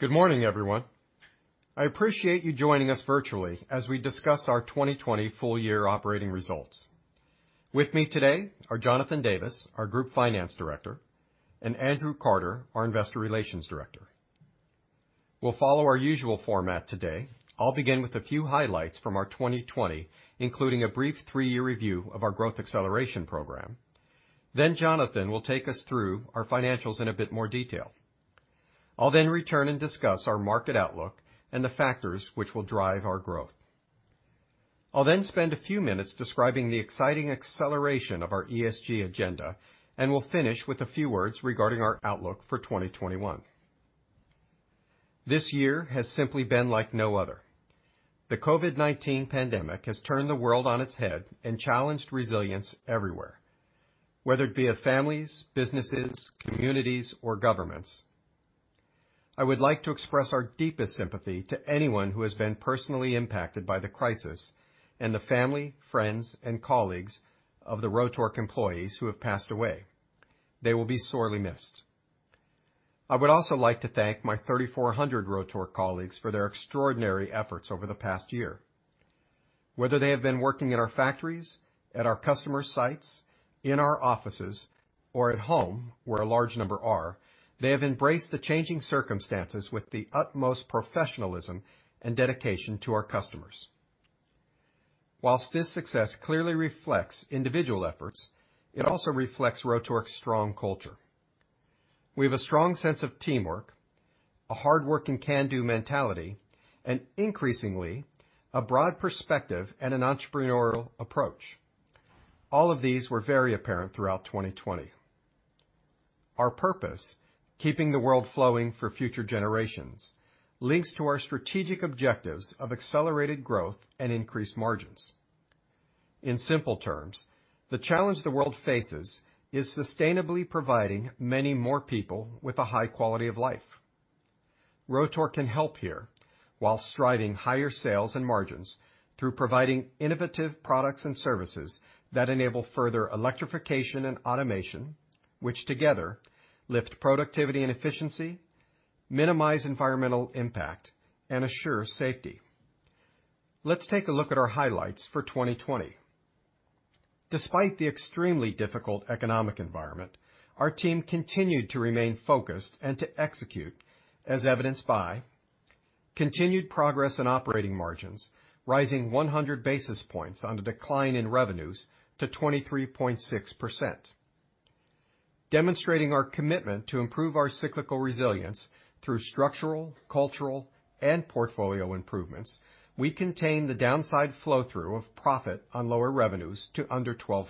Good morning, everyone. I appreciate you joining us virtually as we discuss our 2020 full-year operating results. With me today are Jonathan Davis, our Group Finance Director, and Andrew Carter, our Investor Relations Director. We'll follow our usual format today. I'll begin with a few highlights from our 2020, including a brief three-year review of our Growth Acceleration Programme. Jonathan will take us through our financials in a bit more detail. I'll return and discuss our market outlook and the factors which will drive our growth. I'll spend a few minutes describing the exciting acceleration of our ESG agenda, and we'll finish with a few words regarding our outlook for 2021. This year has simply been like no other. The COVID-19 pandemic has turned the world on its head and challenged resilience everywhere, whether it be of families, businesses, communities, or governments. I would like to express our deepest sympathy to anyone who has been personally impacted by the crisis and the family, friends, and colleagues of the Rotork employees who have passed away. They will be sorely missed. I would also like to thank my 3,400 Rotork colleagues for their extraordinary efforts over the past year. Whether they have been working in our factories, at our customers' sites, in our offices, or at home, where a large number are, they have embraced the changing circumstances with the utmost professionalism and dedication to our customers. Whilst this success clearly reflects individual efforts, it also reflects Rotork's strong culture. We have a strong sense of teamwork, a hardworking can-do mentality, and increasingly, a broad perspective and an entrepreneurial approach. All of these were very apparent throughout 2020. Our purpose, keeping the world flowing for future generations, links to our strategic objectives of accelerated growth and increased margins. In simple terms, the challenge the world faces is sustainably providing many more people with a high quality of life. Rotork can help here while striving higher sales and margins through providing innovative products and services that enable further electrification and automation, which together lift productivity and efficiency, minimize environmental impact, and assure safety. Let's take a look at our highlights for 2020. Despite the extremely difficult economic environment, our team continued to remain focused and to execute, as evidenced by continued progress in operating margins, rising 100 basis points on a decline in revenues to 23.6%. Demonstrating our commitment to improve our cyclical resilience through structural, cultural, and portfolio improvements, we contained the downside flow-through of profit on lower revenues to under 12%.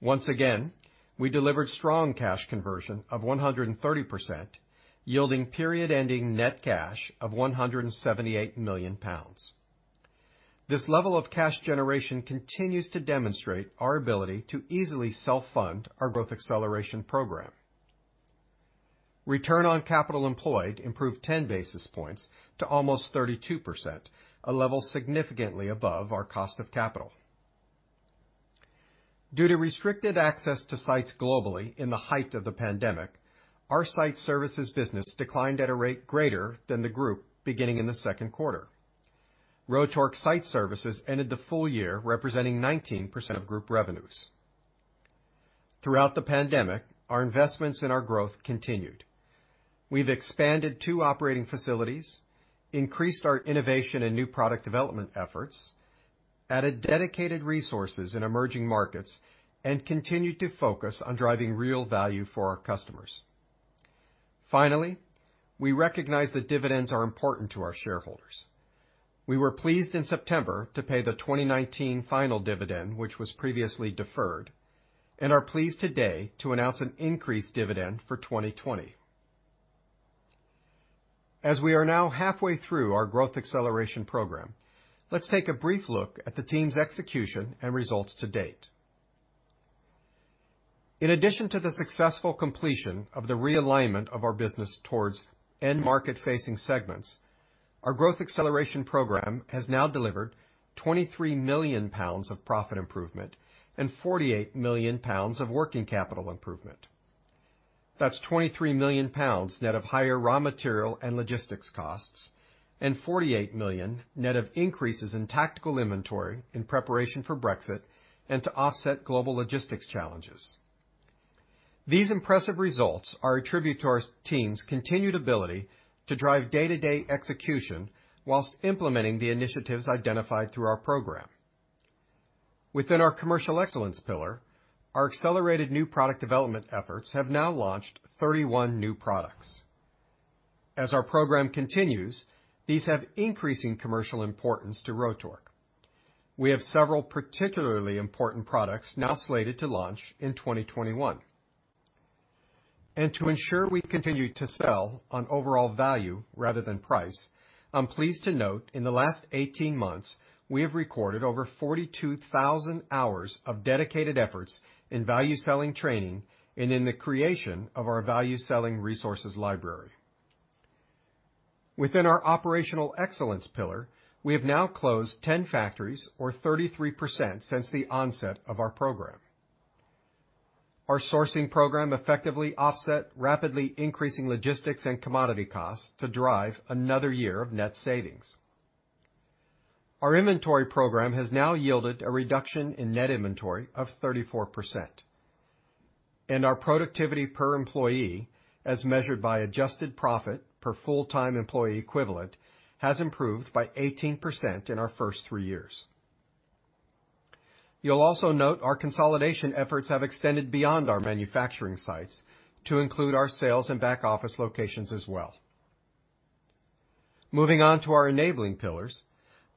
Once again, we delivered strong cash conversion of 130%, yielding period-ending net cash of 178 million pounds. This level of cash generation continues to demonstrate our ability to easily self-fund our Growth Acceleration Programme. Return on capital employed improved 10 basis points to almost 32%, a level significantly above our cost of capital. Due to restricted access to sites globally in the height of the pandemic, our Rotork Site Services business declined at a rate greater than the group beginning in the Q2. Rotork Site Services ended the full year representing 19% of group revenues. Throughout the pandemic, our investments in our growth continued. We've expanded two operating facilities, increased our innovation and New Product Development efforts, added dedicated resources in emerging markets, and continued to focus on driving real value for our customers. Finally, we recognize that dividends are important to our shareholders. We were pleased in September to pay the 2019 final dividend, which was previously deferred, and are pleased today to announce an increased dividend for 2020. As we are now halfway through our Growth Acceleration Programme, let's take a brief look at the team's execution and results to date. In addition to the successful completion of the realignment of our business towards end market-facing segments, our Growth Acceleration Programme has now delivered 23 million pounds of profit improvement and 48 million pounds of working capital improvement. That's 23 million pounds net of higher raw material and logistics costs, and 48 million net of increases in tactical inventory in preparation for Brexit and to offset global logistics challenges. These impressive results are a tribute to our team's continued ability to drive day-to-day execution whilst implementing the initiatives identified through our program. Within our Commercial Excellence pillar, our accelerated New Product Development efforts have now launched 31 new products. As our program continues, these have increasing commercial importance to Rotork. We have several particularly important products now slated to launch in 2021. To ensure we continue to sell on overall value rather than price, I'm pleased to note in the last 18 months, we have recorded over 42,000 hours of dedicated efforts in value selling training and in the creation of our value selling resources library. Within our Operational Excellence pillar, we have now closed 10 factories or 33% since the onset of our program. Our sourcing program effectively offset rapidly increasing logistics and commodity costs to drive another year of net savings. Our inventory program has now yielded a reduction in net inventory of 34%, and our productivity per employee, as measured by adjusted profit per full-time employee equivalent, has improved by 18% in our first three years. You'll also note our consolidation efforts have extended beyond our manufacturing sites to include our sales and back office locations as well. Moving on to our enabling pillars,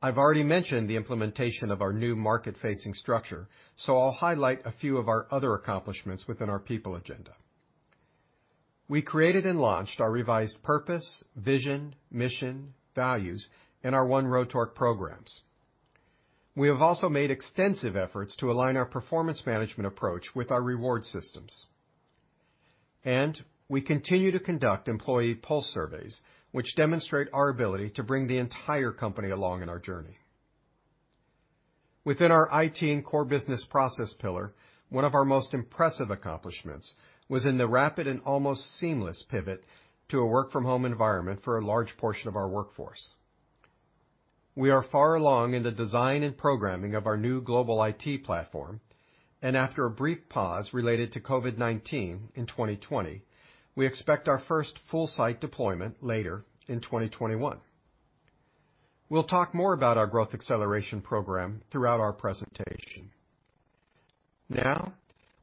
I've already mentioned the implementation of our new market-facing structure, so I'll highlight a few of our other accomplishments within our people agenda. We created and launched our revised purpose, vision, mission, values, and our One Rotork programs. We have also made extensive efforts to align our performance management approach with our reward systems. We continue to conduct employee pulse surveys, which demonstrate our ability to bring the entire company along on our journey. Within our IT and core business process pillar, one of our most impressive accomplishments was in the rapid and almost seamless pivot to a work from home environment for a large portion of our workforce. We are far along in the design and programming of our new global IT platform. After a brief pause related to COVID-19 in 2020, we expect our first full site deployment later in 2021. We'll talk more about our Growth Acceleration Programme throughout our presentation.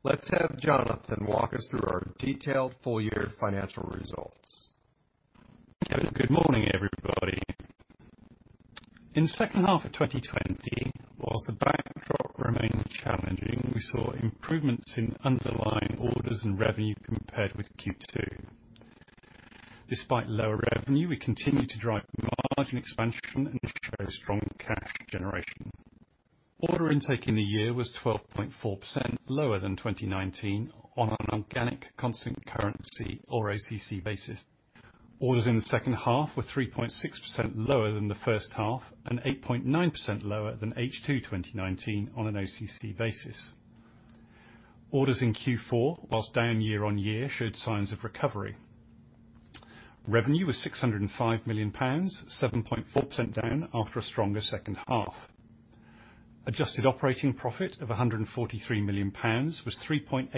Let's have Jonathan walk us through our detailed full year financial results. Good morning, everybody. In the H2 of 2020, whilst the backdrop remained challenging, we saw improvements in underlying orders and revenue compared with Q2. Despite lower revenue, we continued to drive margin expansion and show strong cash generation. Order intake in the year was 12.4% lower than 2019 on an organic constant currency, or OCC basis. Orders in the H2 were 3.6% lower than the H1 and 8.9% lower than H2 2019 on an OCC basis. Orders in Q4, whilst down year-over-year, showed signs of recovery. Revenue was 605 million pounds, 7.4% down after a stronger H2. Adjusted operating profit of 143 million pounds was 3.8%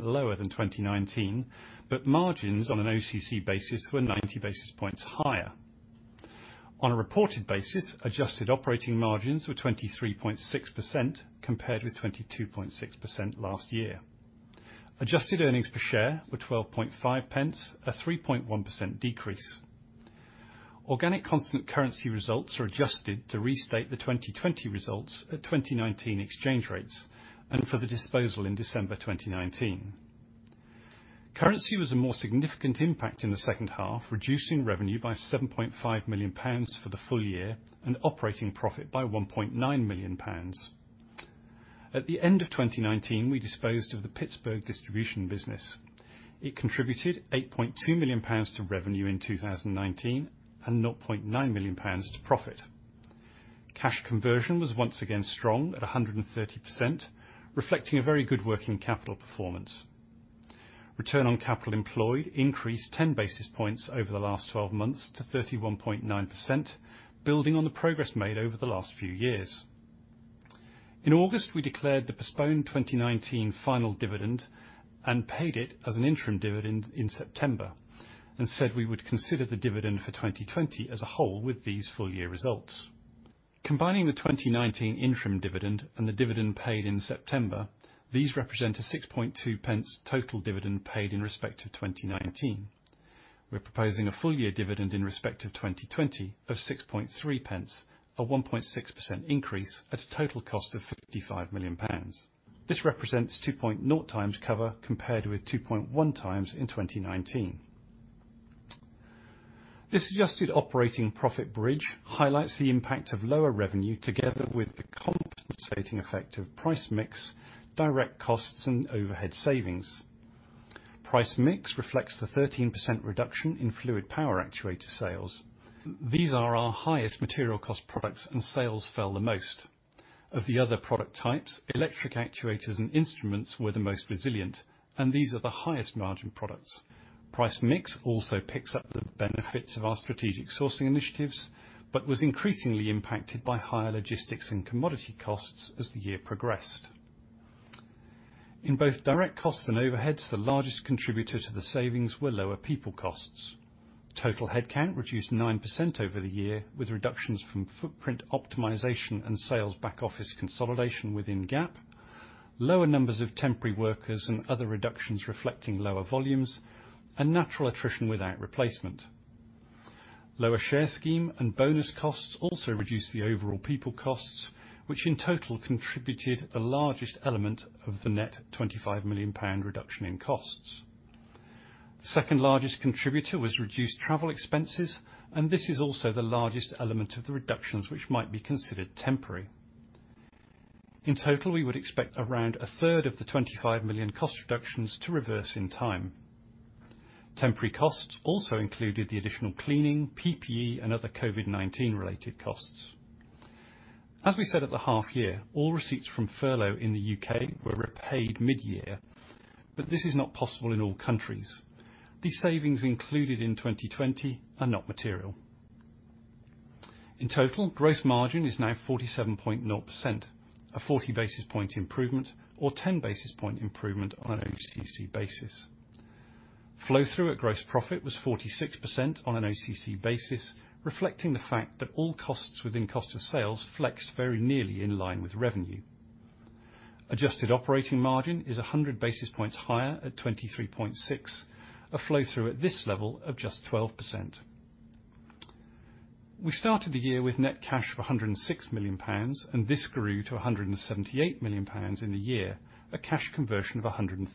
lower than 2019, but margins on an OCC basis were 90 basis points higher. On a reported basis, adjusted operating margins were 23.6%, compared with 22.6% last year. Adjusted earnings per share were 0.125, a 3.1% decrease. Organic constant currency results are adjusted to restate the 2020 results at 2019 exchange rates and for the disposal in December 2019. Currency was a more significant impact in the H2, reducing revenue by 7.5 million pounds for the full year and operating profit by 1.9 million pounds. At the end of 2019, we disposed of the Pittsburgh distribution business. It contributed 8.2 million pounds to revenue in 2019 and 0.9 million pounds to profit. Cash conversion was once again strong at 130%, reflecting a very good working capital performance. Return on capital employed increased 10 basis points over the last 12 months to 31.9%, building on the progress made over the last few years. In August, we declared the postponed 2019 final dividend and paid it as an interim dividend in September and said we would consider the dividend for 2020 as a whole with these full year results. Combining the 2019 interim dividend and the dividend paid in September, these represent a 0.062 total dividend paid in respect to 2019. We're proposing a full year dividend in respect of 2020 of 0.063, a 1.6% increase at a total cost of 55 million pounds. This represents 2.0 times cover, compared with 2.1 times in 2019. This adjusted operating profit bridge highlights the impact of lower revenue together with the compensating effect of price mix, direct costs, and overhead savings. Price mix reflects the 13% reduction in fluid power actuator sales. These are our highest material cost products and sales fell the most. Of the other product types, electric actuators and instruments were the most resilient, and these are the highest margin products. Price mix also picks up the benefits of our strategic sourcing initiatives, but was increasingly impacted by higher logistics and commodity costs as the year progressed. In both direct costs and overheads, the largest contributor to the savings were lower people costs. Total headcount reduced 9% over the year, with reductions from footprint optimization and sales back office consolidation within GAP, lower numbers of temporary workers and other reductions reflecting lower volumes, and natural attrition without replacement. Lower share scheme and bonus costs also reduced the overall people costs, which in total contributed the largest element of the net 25 million pound reduction in costs. This is also the largest element of the reductions which might be considered temporary. In total, we would expect around a third of the 25 million cost reductions to reverse in time. Temporary costs also included the additional cleaning, PPE, and other COVID-19 related costs. As we said at the half year, all receipts from furlough in the U.K. were repaid mid-year, but this is not possible in all countries. These savings included in 2020 are not material. In total, gross margin is now 47.0%, a 40 basis point improvement or 10 basis point improvement on an OCC basis. Flow through at gross profit was 46% on an OCC basis, reflecting the fact that all costs within cost of sales flexed very nearly in line with revenue. Adjusted operating margin is 100 basis points higher at 23.6%, a flow through at this level of just 12%. We started the year with net cash of 106 million pounds. This grew to 178 million pounds in the year, a cash conversion of 130%.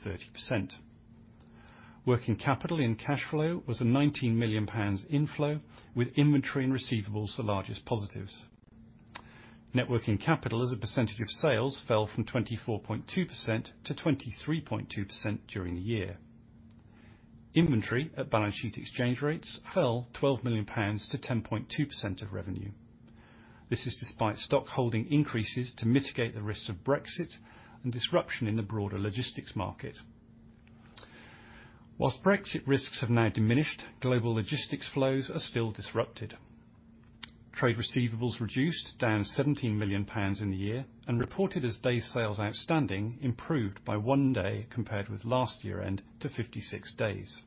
Working capital and cash flow was a 19 million pounds inflow, with inventory and receivables the largest positives. Net working capital as a % of sales fell from 24.2%-23.2% during the year. Inventory at balance sheet exchange rates fell 12 million pounds to 10.2% of revenue. This is despite stockholding increases to mitigate the risks of Brexit and disruption in the broader logistics market. Whilst Brexit risks have now diminished, global logistics flows are still disrupted. Trade receivables reduced down 17 million pounds in the year and reported as day sales outstanding improved by one day compared with last year end to 56 days.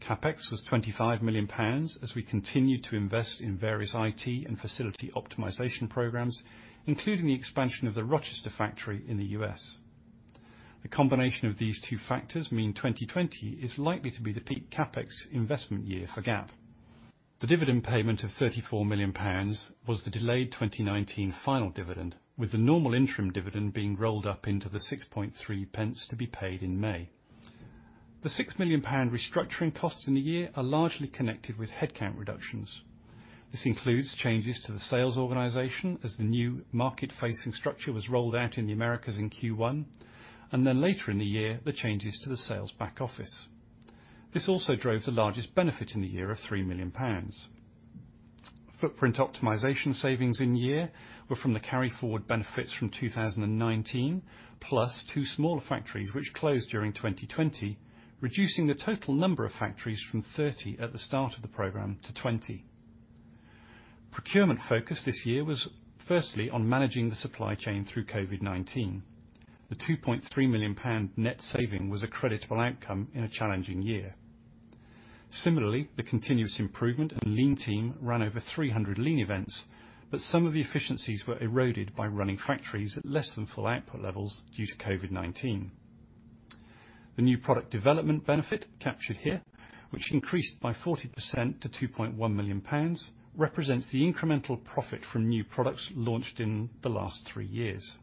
CapEx was 25 million pounds as we continued to invest in various IT and facility optimization programs, including the expansion of the Rochester factory in the U.S. The combination of these two factors mean 2020 is likely to be the peak CapEx investment year for GAP. The dividend payment of 34 million pounds was the delayed 2019 final dividend, with the normal interim dividend being rolled up into the 0.063 to be paid in May. The 6 million pound restructuring costs in the year are largely connected with headcount reductions. This includes changes to the sales organization as the new market-facing structure was rolled out in the Americas in Q1, and then later in the year, the changes to the sales back office. This also drove the largest benefit in the year of 3 million pounds. Footprint optimization savings in year were from the carryforward benefits from 2019, plus two smaller factories which closed during 2020, reducing the total number of factories from 30 at the start of the program to 20. Procurement focus this year was firstly on managing the supply chain through COVID-19. The 2.3 million pound net saving was a creditable outcome in a challenging year. Similarly, the continuous improvement and lean team ran over 300 lean events, but some of the efficiencies were eroded by running factories at less than full output levels due to COVID-19. The new product development benefit captured here, which increased by 40% to 2.1 million pounds, represents the incremental profit from new products launched in the last three years.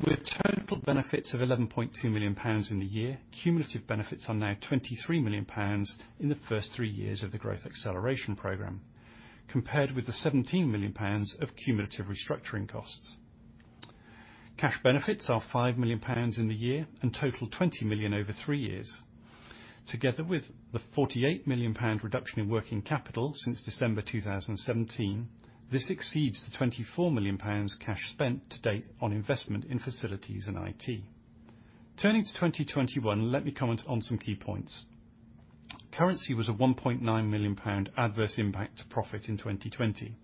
With total benefits of GBP 11.2 million in the year, cumulative benefits are now GBP 23 million in the first three years of the Growth Acceleration Programme, compared with the GBP 17 million of cumulative restructuring costs. Cash benefits are GBP 5 million in the year and total GBP 20 million over three years. Together with the GBP 48 million reduction in working capital since December 2017, this exceeds the 24 million pounds cash spent to date on investment in facilities and IT. Turning to 2021, let me comment on some key points. Currency was a 1.9 million pound adverse impact to profit in 2020.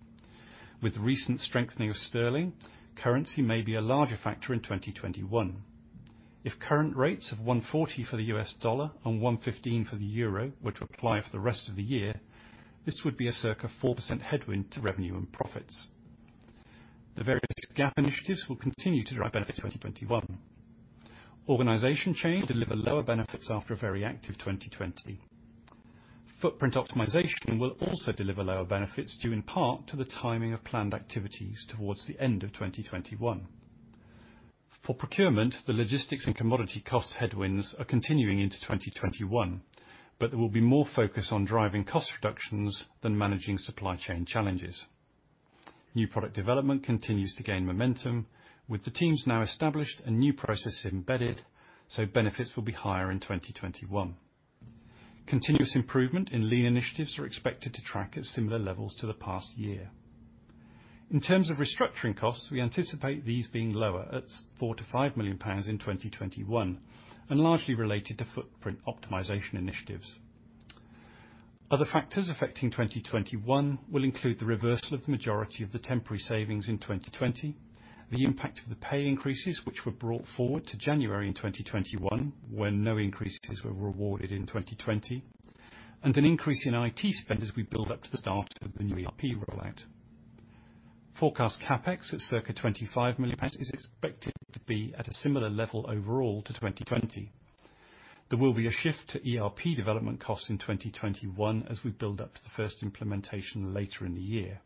With recent strengthening of sterling, currency may be a larger factor in 2021. If current rates of 140 and EUR 115 were to apply for the rest of the year, this would be a circa 4% headwind to revenue and profits. The various GAP initiatives will continue to drive benefit 2021. Organization change will deliver lower benefits after a very active 2020. Footprint optimization will also deliver lower benefits due in part to the timing of planned activities towards the end of 2021. For procurement, the logistics and commodity cost headwinds are continuing into 2021. There will be more focus on driving cost reductions than managing supply chain challenges. New Product Development continues to gain momentum with the teams now established and new processes embedded. Benefits will be higher in 2021. Continuous improvement in lean initiatives are expected to track at similar levels to the past year. In terms of restructuring costs, we anticipate these being lower at 4 million-5 million pounds in 2021, largely related to footprint optimization initiatives. Other factors affecting 2021 will include the reversal of the majority of the temporary savings in 2020, the impact of the pay increases which were brought forward to January in 2021 when no increases were rewarded in 2020, an increase in IT spend as we build up to the start of the new ERP rollout. Forecast CapEx at circa 25 million pounds is expected to be at a similar level overall to 2020. There will be a shift to ERP development costs in 2021 as we build up to the first implementation later in the year.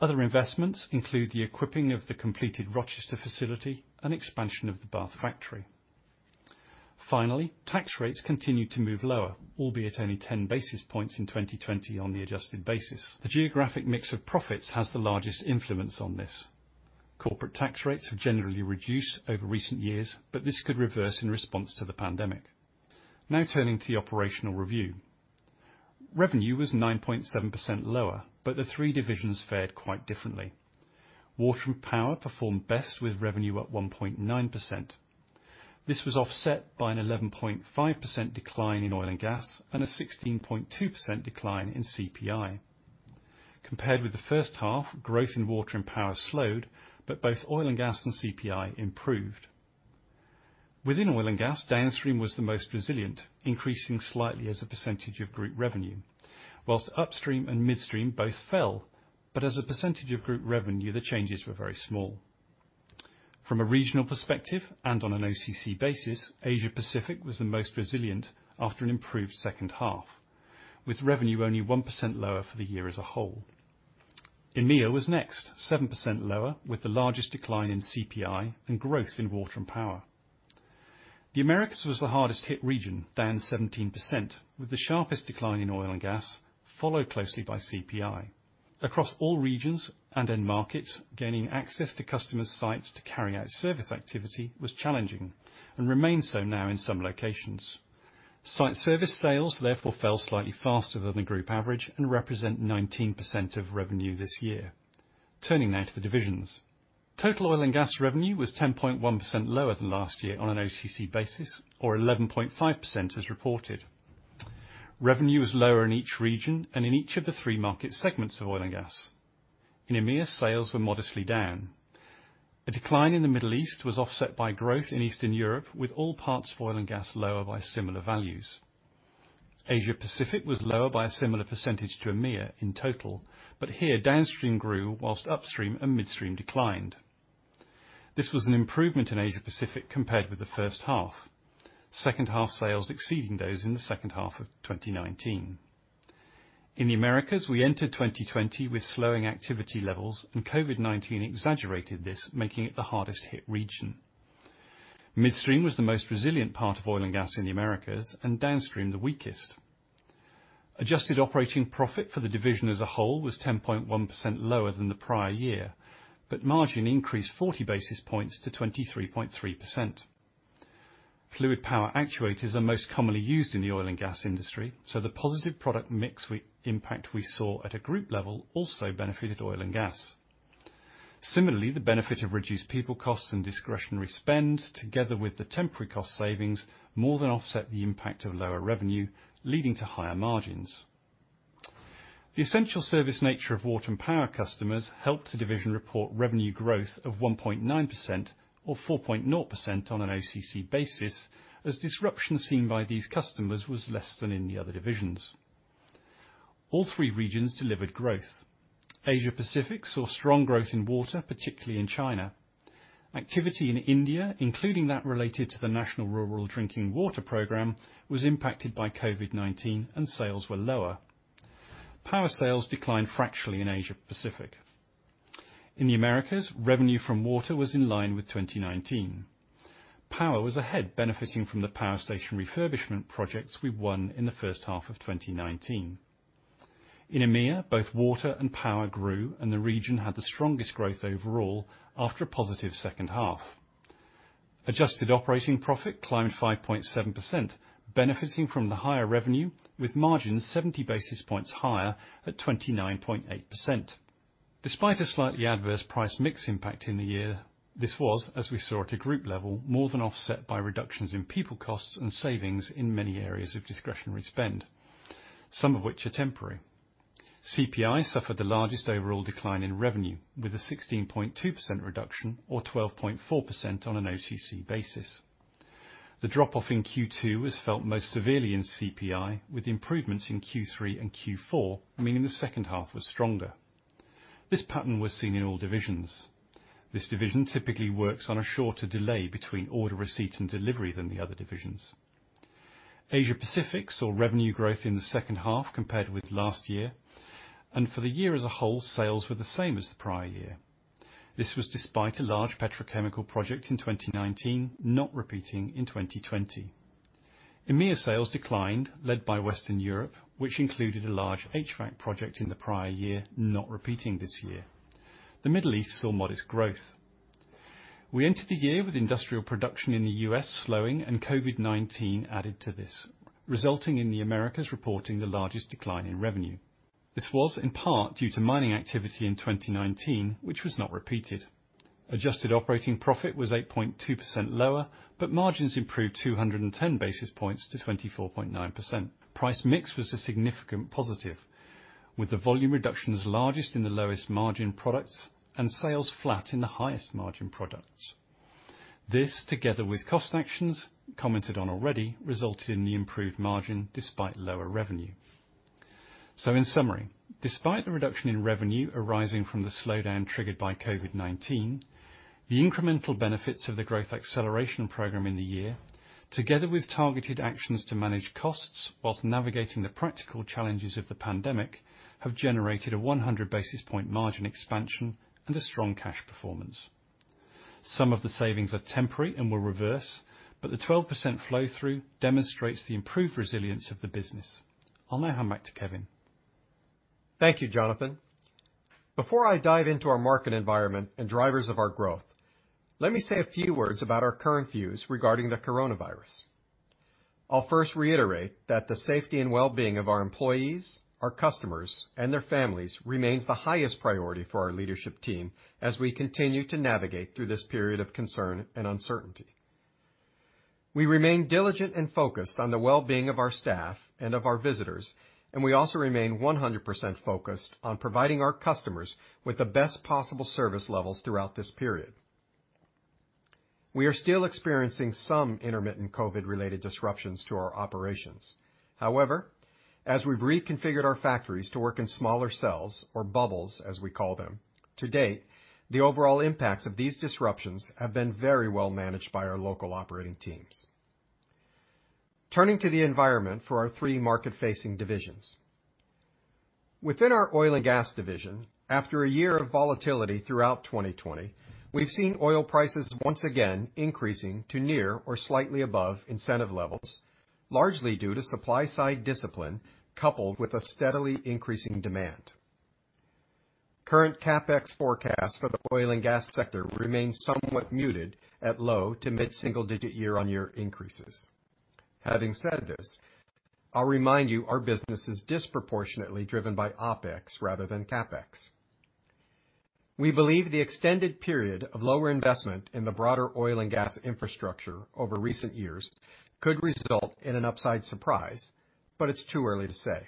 Other investments include the equipping of the completed Rochester facility and expansion of the Bath factory. Tax rates continue to move lower, albeit only 10 basis points in 2020 on the adjusted basis. The geographic mix of profits has the largest influence on this. Corporate tax rates have generally reduced over recent years, this could reverse in response to the pandemic. Now turning to the operational review. Revenue was 9.7% lower, the three divisions fared quite differently. Water and power performed best with revenue up 1.9%. This was offset by an 11.5% decline in oil and gas and a 16.2% decline in CPI. Compared with the H1, growth in water and power slowed, both oil and gas and CPI improved. Within oil and gas, downstream was the most resilient, increasing slightly as a percentage of group revenue, while upstream and midstream both fell, as a percentage of group revenue, the changes were very small. From a regional perspective, and on an OCC basis, Asia Pacific was the most resilient after an improved H2, with revenue only 1% lower for the year as a whole. EMEA was next, 7% lower, with the largest decline in CPI and growth in water and power. The Americas was the hardest hit region, down 17%, with the sharpest decline in oil and gas followed closely by CPI. Across all regions and end markets, gaining access to customers' sites to carry out service activity was challenging and remains so now in some locations. Site service sales therefore fell slightly faster than the group average and represent 19% of revenue this year. Turning now to the divisions. Total oil and gas revenue was 10.1% lower than last year on an OCC basis, or 11.5% as reported. Revenue was lower in each region and in each of the three market segments of oil and gas. In EMEA, sales were modestly down. A decline in the Middle East was offset by growth in Eastern Europe, with all parts of oil and gas lower by similar values. Asia Pacific was lower by a similar percentage to EMEA in total, but here downstream grew whilst upstream and midstream declined. This was an improvement in Asia Pacific compared with the H1. H2 sales exceeding those in the H2 of 2019. In the Americas, we entered 2020 with slowing activity levels and COVID-19 exaggerated this, making it the hardest hit region. Midstream was the most resilient part of oil and gas in the Americas and downstream the weakest. Adjusted operating profit for the division as a whole was 10.1% lower than the prior year, but margin increased 40 basis points to 23.3%. Fluid power actuators are most commonly used in the oil and gas industry, so the positive product mix impact we saw at a group level also benefited oil and gas. Similarly, the benefit of reduced people costs and discretionary spend, together with the temporary cost savings, more than offset the impact of lower revenue leading to higher margins. The essential service nature of water and power customers helped the division report revenue growth of 1.9%, or 4.0% on an OCC basis, as disruption seen by these customers was less than in the other divisions. All three regions delivered growth. Asia Pacific saw strong growth in water, particularly in China. Activity in India, including that related to the National Rural Drinking Water Programme, was impacted by COVID-19 and sales were lower. Power sales declined fractionally in Asia Pacific. In the Americas, revenue from water was in line with 2019. Power was ahead benefiting from the power station refurbishment projects we won in the H1 of 2019. In EMEA, both water and power grew and the region had the strongest growth overall after a positive H2. Adjusted operating profit climbed 5.7%, benefiting from the higher revenue with margins 70 basis points higher at 29.8%. Despite a slightly adverse price mix impact in the year, this was, as we saw at a group level, more than offset by reductions in people costs and savings in many areas of discretionary spend, some of which are temporary. CPI suffered the largest overall decline in revenue, with a 16.2% reduction or 12.4% on an OCC basis. The drop-off in Q2 was felt most severely in CPI, with improvements in Q3 and Q4, meaning the H2 was stronger. This pattern was seen in all divisions. This division typically works on a shorter delay between order receipt and delivery than the other divisions. Asia Pacific saw revenue growth in the H2 compared with last year, and for the year as a whole, sales were the same as the prior year. This was despite a large petrochemical project in 2019 not repeating in 2020. EMEA sales declined, led by Western Europe, which included a large HVAC project in the prior year, not repeating this year. The Middle East saw modest growth. We entered the year with industrial production in the U.S. slowing and COVID-19 added to this, resulting in the Americas reporting the largest decline in revenue. This was in part due to mining activity in 2019, which was not repeated. Adjusted operating profit was 8.2% lower, but margins improved 210 basis points to 24.9%. Price mix was a significant positive, with the volume reductions largest in the lowest margin products and sales flat in the highest margin products. This, together with cost actions commented on already, resulted in the improved margin despite lower revenue. In summary, despite the reduction in revenue arising from the slowdown triggered by COVID-19, the incremental benefits of the Growth Acceleration Programme in the year, together with targeted actions to manage costs whilst navigating the practical challenges of the pandemic, have generated a 100 basis point margin expansion and a strong cash performance. Some of the savings are temporary and will reverse, but the 12% flow through demonstrates the improved resilience of the business. I'll now hand back to Kevin. Thank you, Jonathan. Before I dive into our market environment and drivers of our growth, let me say a few words about our current views regarding COVID-19. I'll first reiterate that the safety and wellbeing of our employees, our customers, and their families remains the highest priority for our leadership team as we continue to navigate through this period of concern and uncertainty. We remain diligent and focused on the wellbeing of our staff and of our visitors. We also remain 100% focused on providing our customers with the best possible service levels throughout this period. We are still experiencing some intermittent COVID-related disruptions to our operations. However, as we've reconfigured our factories to work in smaller cells, or bubbles, as we call them, to date, the overall impacts of these disruptions have been very well managed by our local operating teams. Turning to the environment for our three market-facing divisions. Within our oil and gas division, after a year of volatility throughout 2020, we've seen oil prices once again increasing to near or slightly above incentive levels, largely due to supply-side discipline, coupled with a steadily increasing demand. Current CapEx forecast for the oil and gas sector remains somewhat muted at low to mid-single-digit year-on-year increases. Having said this, I'll remind you our business is disproportionately driven by OpEx rather than CapEx. We believe the extended period of lower investment in the broader oil and gas infrastructure over recent years could result in an upside surprise, but it's too early to say.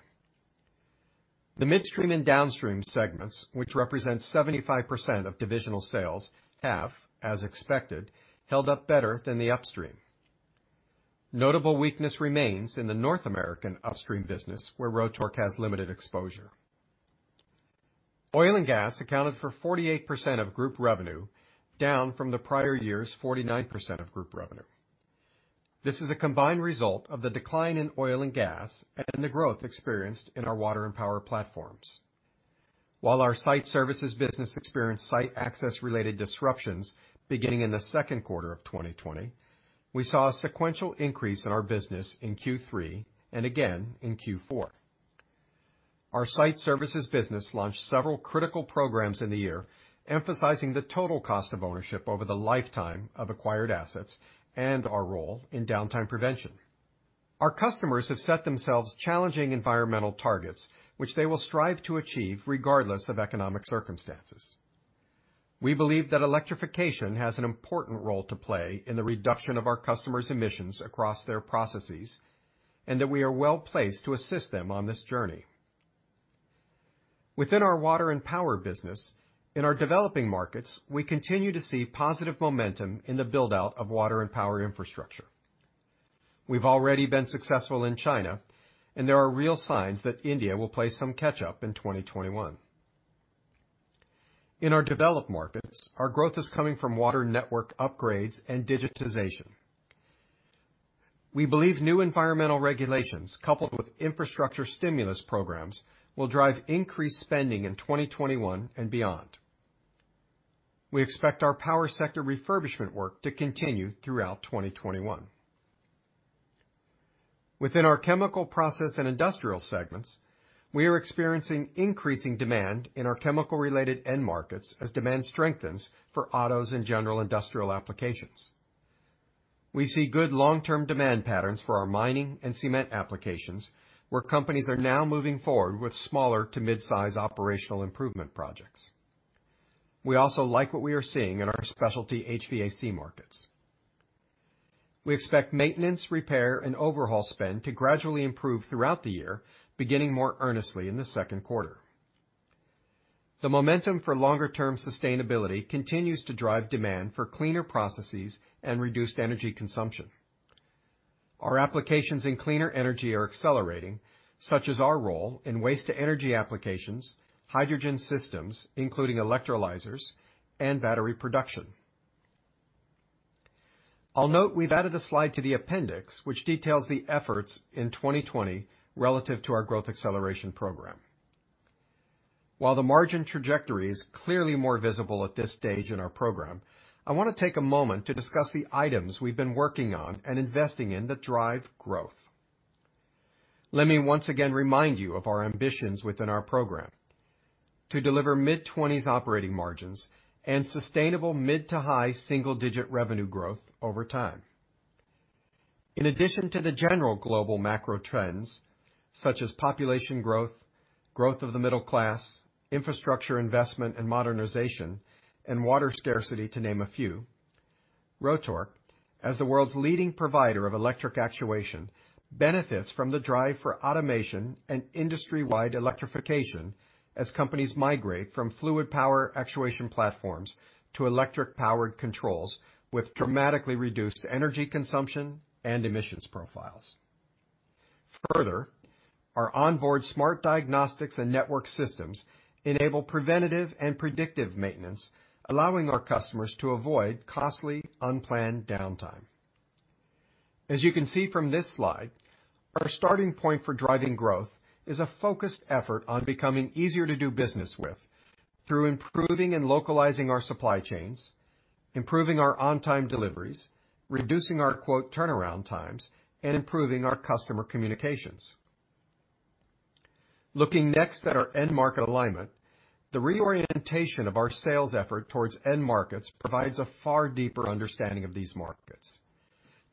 The midstream and downstream segments, which represent 75% of divisional sales, have, as expected, held up better than the upstream. Notable weakness remains in the North American upstream business, where Rotork has limited exposure. Oil and gas accounted for 48% of group revenue, down from the prior year's 49% of group revenue. This is a combined result of the decline in oil and gas and the growth experienced in our water and power platforms. While our site services business experienced site access-related disruptions beginning in the Q2 of 2020, we saw a sequential increase in our business in Q3 and again in Q4. Our site services business launched several critical programs in the year, emphasizing the total cost of ownership over the lifetime of acquired assets and our role in downtime prevention. Our customers have set themselves challenging environmental targets, which they will strive to achieve regardless of economic circumstances. We believe that electrification has an important role to play in the reduction of our customers' emissions across their processes, and that we are well-placed to assist them on this journey. Within our water and power business, in our developing markets, we continue to see positive momentum in the build-out of water and power infrastructure. We've already been successful in China, and there are real signs that India will play some catch-up in 2021. In our developed markets, our growth is coming from water network upgrades and digitization. We believe new environmental regulations, coupled with infrastructure stimulus programs, will drive increased spending in 2021 and beyond. We expect our power sector refurbishment work to continue throughout 2021. Within our chemical process and industrial segments, we are experiencing increasing demand in our chemical-related end markets as demand strengthens for autos and general industrial applications. We see good long-term demand patterns for our mining and cement applications, where companies are now moving forward with smaller to mid-size operational improvement projects. We also like what we are seeing in our specialty HVAC markets. We expect maintenance, repair, and overhaul spend to gradually improve throughout the year, beginning more earnestly in the Q2. The momentum for longer-term sustainability continues to drive demand for cleaner processes and reduced energy consumption. Our applications in cleaner energy are accelerating, such as our role in waste-to-energy applications, hydrogen systems, including electrolyzers, and battery production. I'll note we've added a slide to the appendix, which details the efforts in 2020 relative to our Growth Acceleration Programme. While the margin trajectory is clearly more visible at this stage in our program, I want to take a moment to discuss the items we've been working on and investing in that drive growth. Let me once again remind you of our ambitions within our program to deliver mid-20s operating margins and sustainable mid to high single-digit revenue growth over time. In addition to the general global macro trends, such as population growth of the middle class, infrastructure investment and modernization, and water scarcity, to name a few, Rotork, as the world's leading provider of electric actuation, benefits from the drive for automation and industry-wide electrification as companies migrate from fluid power actuation platforms to electric-powered controls with dramatically reduced energy consumption and emissions profiles. Further, our onboard smart diagnostics and network systems enable preventative and predictive maintenance, allowing our customers to avoid costly, unplanned downtime. As you can see from this slide, our starting point for driving growth is a focused effort on becoming easier to do business with through improving and localizing our supply chains, improving our on-time deliveries, reducing our quote turnaround times, and improving our customer communications. Looking next at our end market alignment, the reorientation of our sales effort towards end markets provides a far deeper understanding of these markets.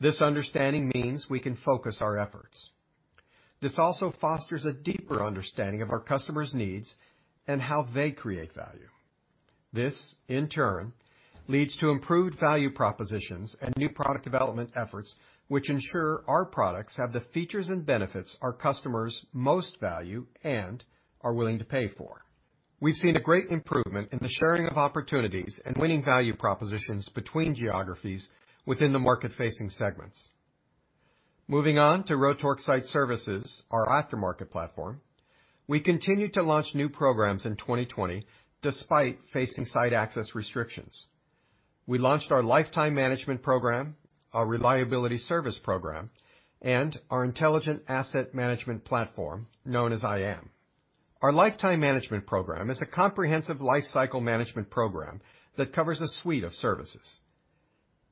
This understanding means we can focus our efforts. This also fosters a deeper understanding of our customers' needs and how they create value. This, in turn, leads to improved value propositions and new product development efforts, which ensure our products have the features and benefits our customers most value and are willing to pay for. We've seen a great improvement in the sharing of opportunities and winning value propositions between geographies within the market-facing segments. Moving on to Rotork Site Services, our aftermarket platform. We continued to launch new programs in 2020, despite facing site access restrictions. We launched our Lifetime Management program, our Reliability Services program, and our Intelligent Asset Management platform, known as iAM. Our Lifetime Management program is a comprehensive lifecycle management program that covers a suite of services.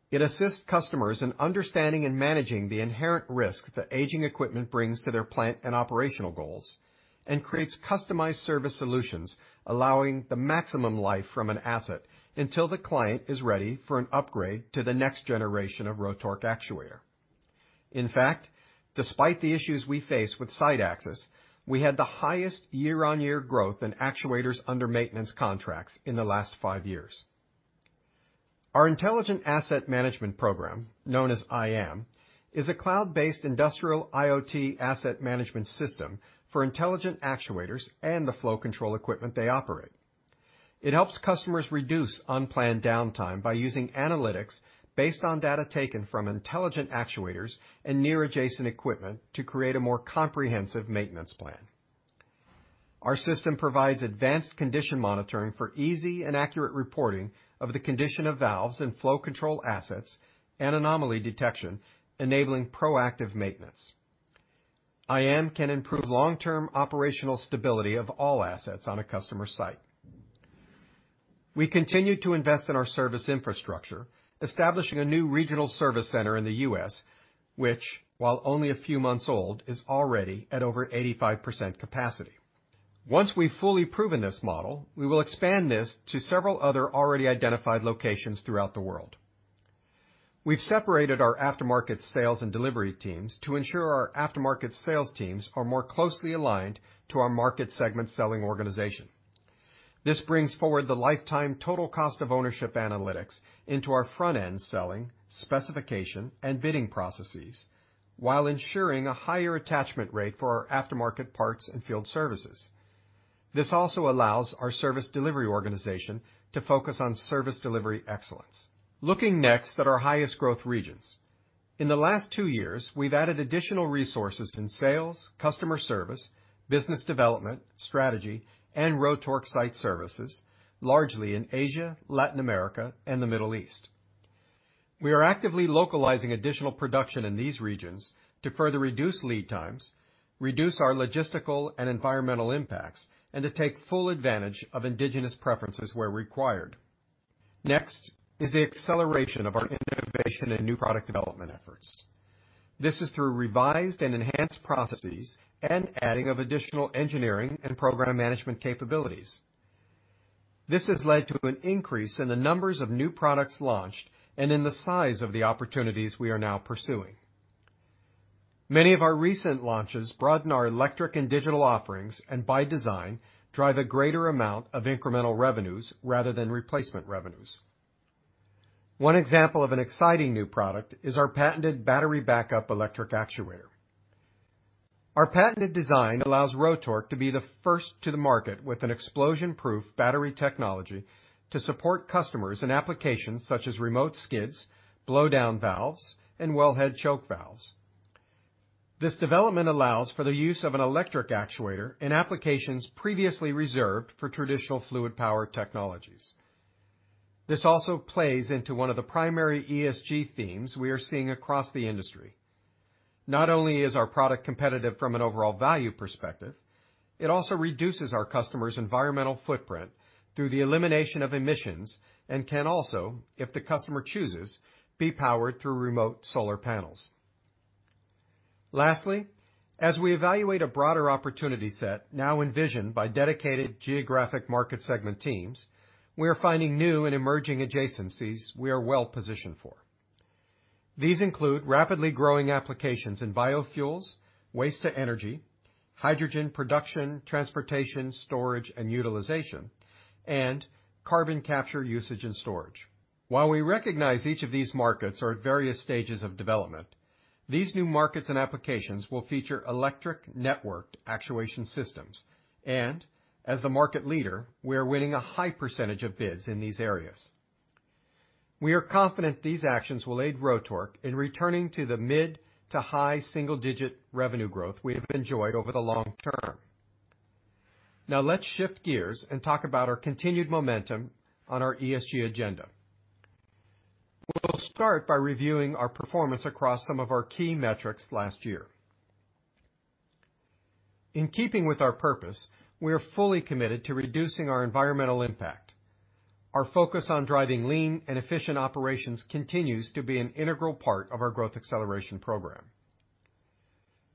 It assists customers in understanding and managing the inherent risk that aging equipment brings to their plant and operational goals, and creates customized service solutions, allowing the maximum life from an asset until the client is ready for an upgrade to the next generation of Rotork actuator. In fact, despite the issues we face with site access, we had the highest year-on-year growth in actuators under maintenance contracts in the last five years. Our Intelligent Asset Management program, known as iAM, is a cloud-based industrial IoT asset management system for intelligent actuators and the flow control equipment they operate. It helps customers reduce unplanned downtime by using analytics based on data taken from intelligent actuators and near adjacent equipment to create a more comprehensive maintenance plan. Our system provides advanced condition monitoring for easy and accurate reporting of the condition of valves and flow control assets and anomaly detection, enabling proactive maintenance. iAM can improve long-term operational stability of all assets on a customer site. We continue to invest in our service infrastructure, establishing a new regional service center in the U.S., which, while only a few months old, is already at over 85% capacity. Once we've fully proven this model, we will expand this to several other already identified locations throughout the world. We've separated our aftermarket sales and delivery teams to ensure our aftermarket sales teams are more closely aligned to our market segment selling organization. This brings forward the lifetime total cost of ownership analytics into our front-end selling, specification, and bidding processes while ensuring a higher attachment rate for our aftermarket parts and field services. This also allows our service delivery organization to focus on service delivery excellence. Looking next at our highest growth regions. In the last two years, we've added additional resources in sales, customer service, business development, strategy, and Rotork Site Services, largely in Asia, Latin America, and the Middle East. We are actively localizing additional production in these regions to further reduce lead times, reduce our logistical and environmental impacts, and to take full advantage of indigenous preferences where required. Next is the acceleration of our innovation and New Product Development efforts. This is through revised and enhanced processes and adding of additional engineering and program management capabilities. This has led to an increase in the numbers of new products launched and in the size of the opportunities we are now pursuing. Many of our recent launches broaden our electric and digital offerings and by design, drive a greater amount of incremental revenues rather than replacement revenues. One example of an exciting new product is our patented battery backup electric actuator. Our patented design allows Rotork to be the first to the market with an explosion-proof battery technology to support customers in applications such as remote skids, blow-down valves, and wellhead choke valves. This development allows for the use of an electric actuator in applications previously reserved for traditional fluid power technologies. This also plays into one of the primary ESG themes we are seeing across the industry. Not only is our product competitive from an overall value perspective, it also reduces our customers' environmental footprint through the elimination of emissions and can also, if the customer chooses, be powered through remote solar panels. Lastly, as we evaluate a broader opportunity set now envisioned by dedicated geographic market segment teams, we are finding new and emerging adjacencies we are well positioned for. These include rapidly growing applications in biofuels, waste to energy, hydrogen production, transportation, storage, and utilization, and carbon capture usage and storage. While we recognize each of these markets are at various stages of development, these new markets and applications will feature electric networked actuation systems, and as the market leader, we are winning a high percentage of bids in these areas. We are confident these actions will aid Rotork in returning to the mid to high single-digit revenue growth we have enjoyed over the long term. Now let's shift gears and talk about our continued momentum on our ESG agenda. We'll start by reviewing our performance across some of our key metrics last year. In keeping with our purpose, we are fully committed to reducing our environmental impact. Our focus on driving lean and efficient operations continues to be an integral part of our Growth Acceleration Programme.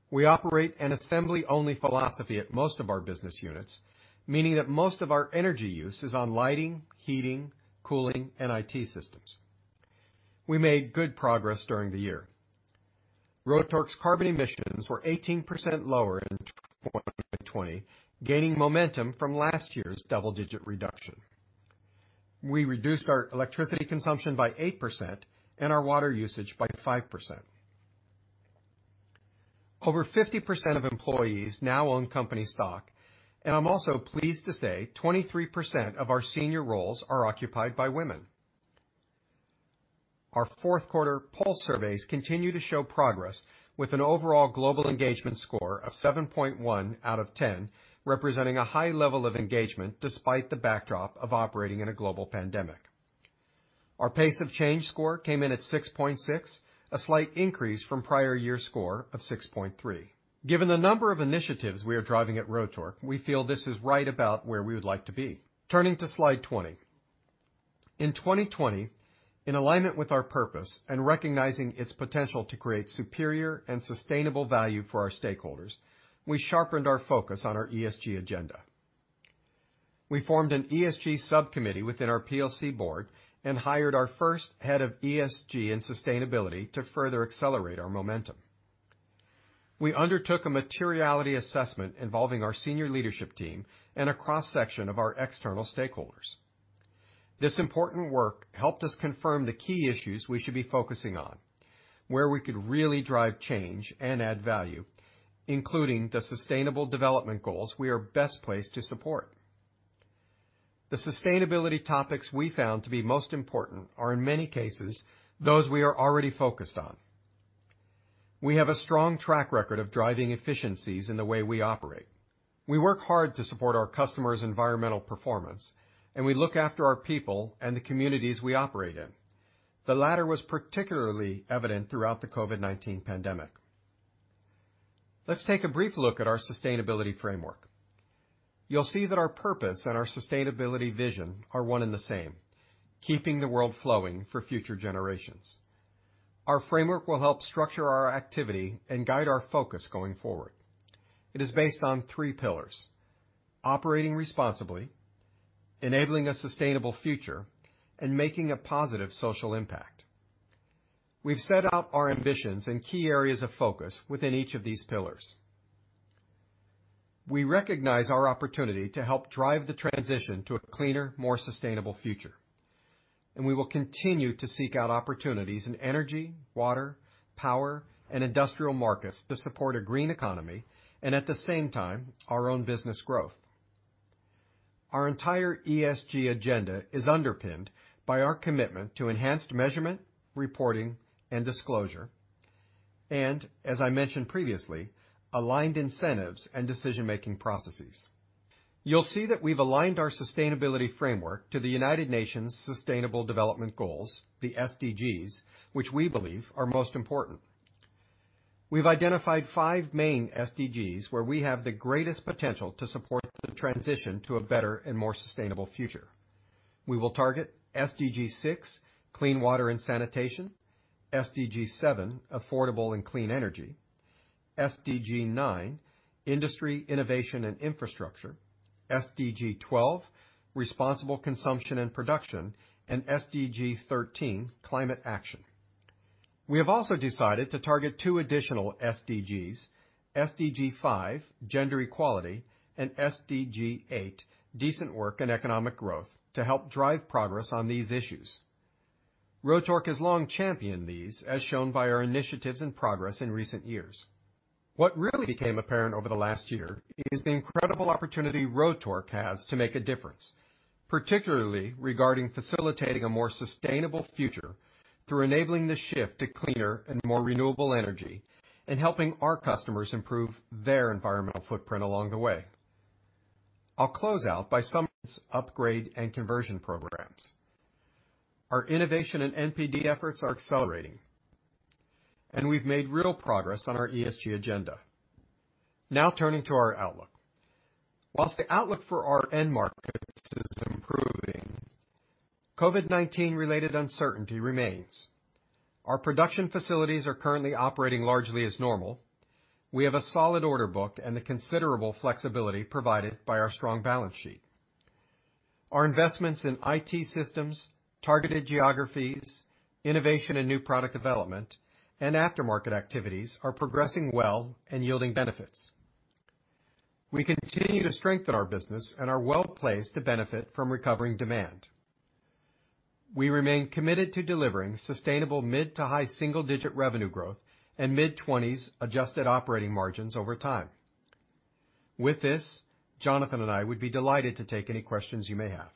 We operate an assembly-only philosophy at most of our business units, meaning that most of our energy use is on lighting, heating, cooling, and IT systems. We made good progress during the year. Rotork's carbon emissions were 18% lower in 2020, gaining momentum from last year's double-digit reduction. We reduced our electricity consumption by 8% and our water usage by 5%. Over 50% of employees now own company stock, and I'm also pleased to say 23% of our senior roles are occupied by women. Our Q4 pulse surveys continue to show progress, with an overall global engagement score of 7.1 out of 10, representing a high level of engagement despite the backdrop of operating in a global pandemic. Our pace of change score came in at 6.6, a slight increase from prior year score of 6.3. Given the number of initiatives we are driving at Rotork, we feel this is right about where we would like to be. Turning to slide 20. In 2020, in alignment with our purpose and recognizing its potential to create superior and sustainable value for our stakeholders, we sharpened our focus on our ESG agenda. We formed an ESG subcommittee within our PLC board and hired our first head of ESG and sustainability to further accelerate our momentum. We undertook a materiality assessment involving our senior leadership team and a cross-section of our external stakeholders. This important work helped us confirm the key issues we should be focusing on, where we could really drive change and add value, including the Sustainable Development Goals we are best placed to support. The sustainability topics we found to be most important are, in many cases, those we are already focused on. We have a strong track record of driving efficiencies in the way we operate. We work hard to support our customers' environmental performance, and we look after our people and the communities we operate in. The latter was particularly evident throughout the COVID-19 pandemic. Let's take a brief look at our sustainability framework. You'll see that our purpose and our sustainability vision are one and the same, keeping the world flowing for future generations. Our framework will help structure our activity and guide our focus going forward. It is based on three pillars: operating responsibly, enabling a sustainable future, and making a positive social impact. We've set out our ambitions and key areas of focus within each of these pillars. We recognize our opportunity to help drive the transition to a cleaner, more sustainable future, and we will continue to seek out opportunities in energy, water, power, and industrial markets to support a green economy and, at the same time, our own business growth. Our entire ESG agenda is underpinned by our commitment to enhanced measurement, reporting, and disclosure, and, as I mentioned previously, aligned incentives and decision-making processes. You'll see that we've aligned our sustainability framework to the United Nations Sustainable Development Goals, the SDGs, which we believe are most important. We've identified five main SDGs where we have the greatest potential to support the transition to a better and more sustainable future. We will target SDG 6, clean water and sanitation, SDG 7, affordable and clean energy, SDG 9, industry, innovation and infrastructure, SDG 12, responsible consumption and production, and SDG 13, climate action. We have also decided to target two additional SDGs, SDG 5, gender equality, and SDG 8, decent work and economic growth to help drive progress on these issues. Rotork has long championed these, as shown by our initiatives and progress in recent years. What really became apparent over the last year is the incredible opportunity Rotork has to make a difference, particularly regarding facilitating a more sustainable future through enabling the shift to cleaner and more renewable energy and helping our customers improve their environmental footprint along the way. I'll close out by summarizing our upgrade and conversion programs. Our innovation and NPD efforts are accelerating, and we've made real progress on our ESG agenda. Turning to our outlook. The outlook for our end markets is improving, COVID-19 related uncertainty remains. Our production facilities are currently operating largely as normal. We have a solid order book and the considerable flexibility provided by our strong balance sheet. Our investments in IT systems, targeted geographies, innovation and new product development, and aftermarket activities are progressing well and yielding benefits. We continue to strengthen our business and are well-placed to benefit from recovering demand. We remain committed to delivering sustainable mid to high single-digit revenue growth and mid-20s adjusted operating margins over time. With this, Jonathan and I would be delighted to take any questions you may have.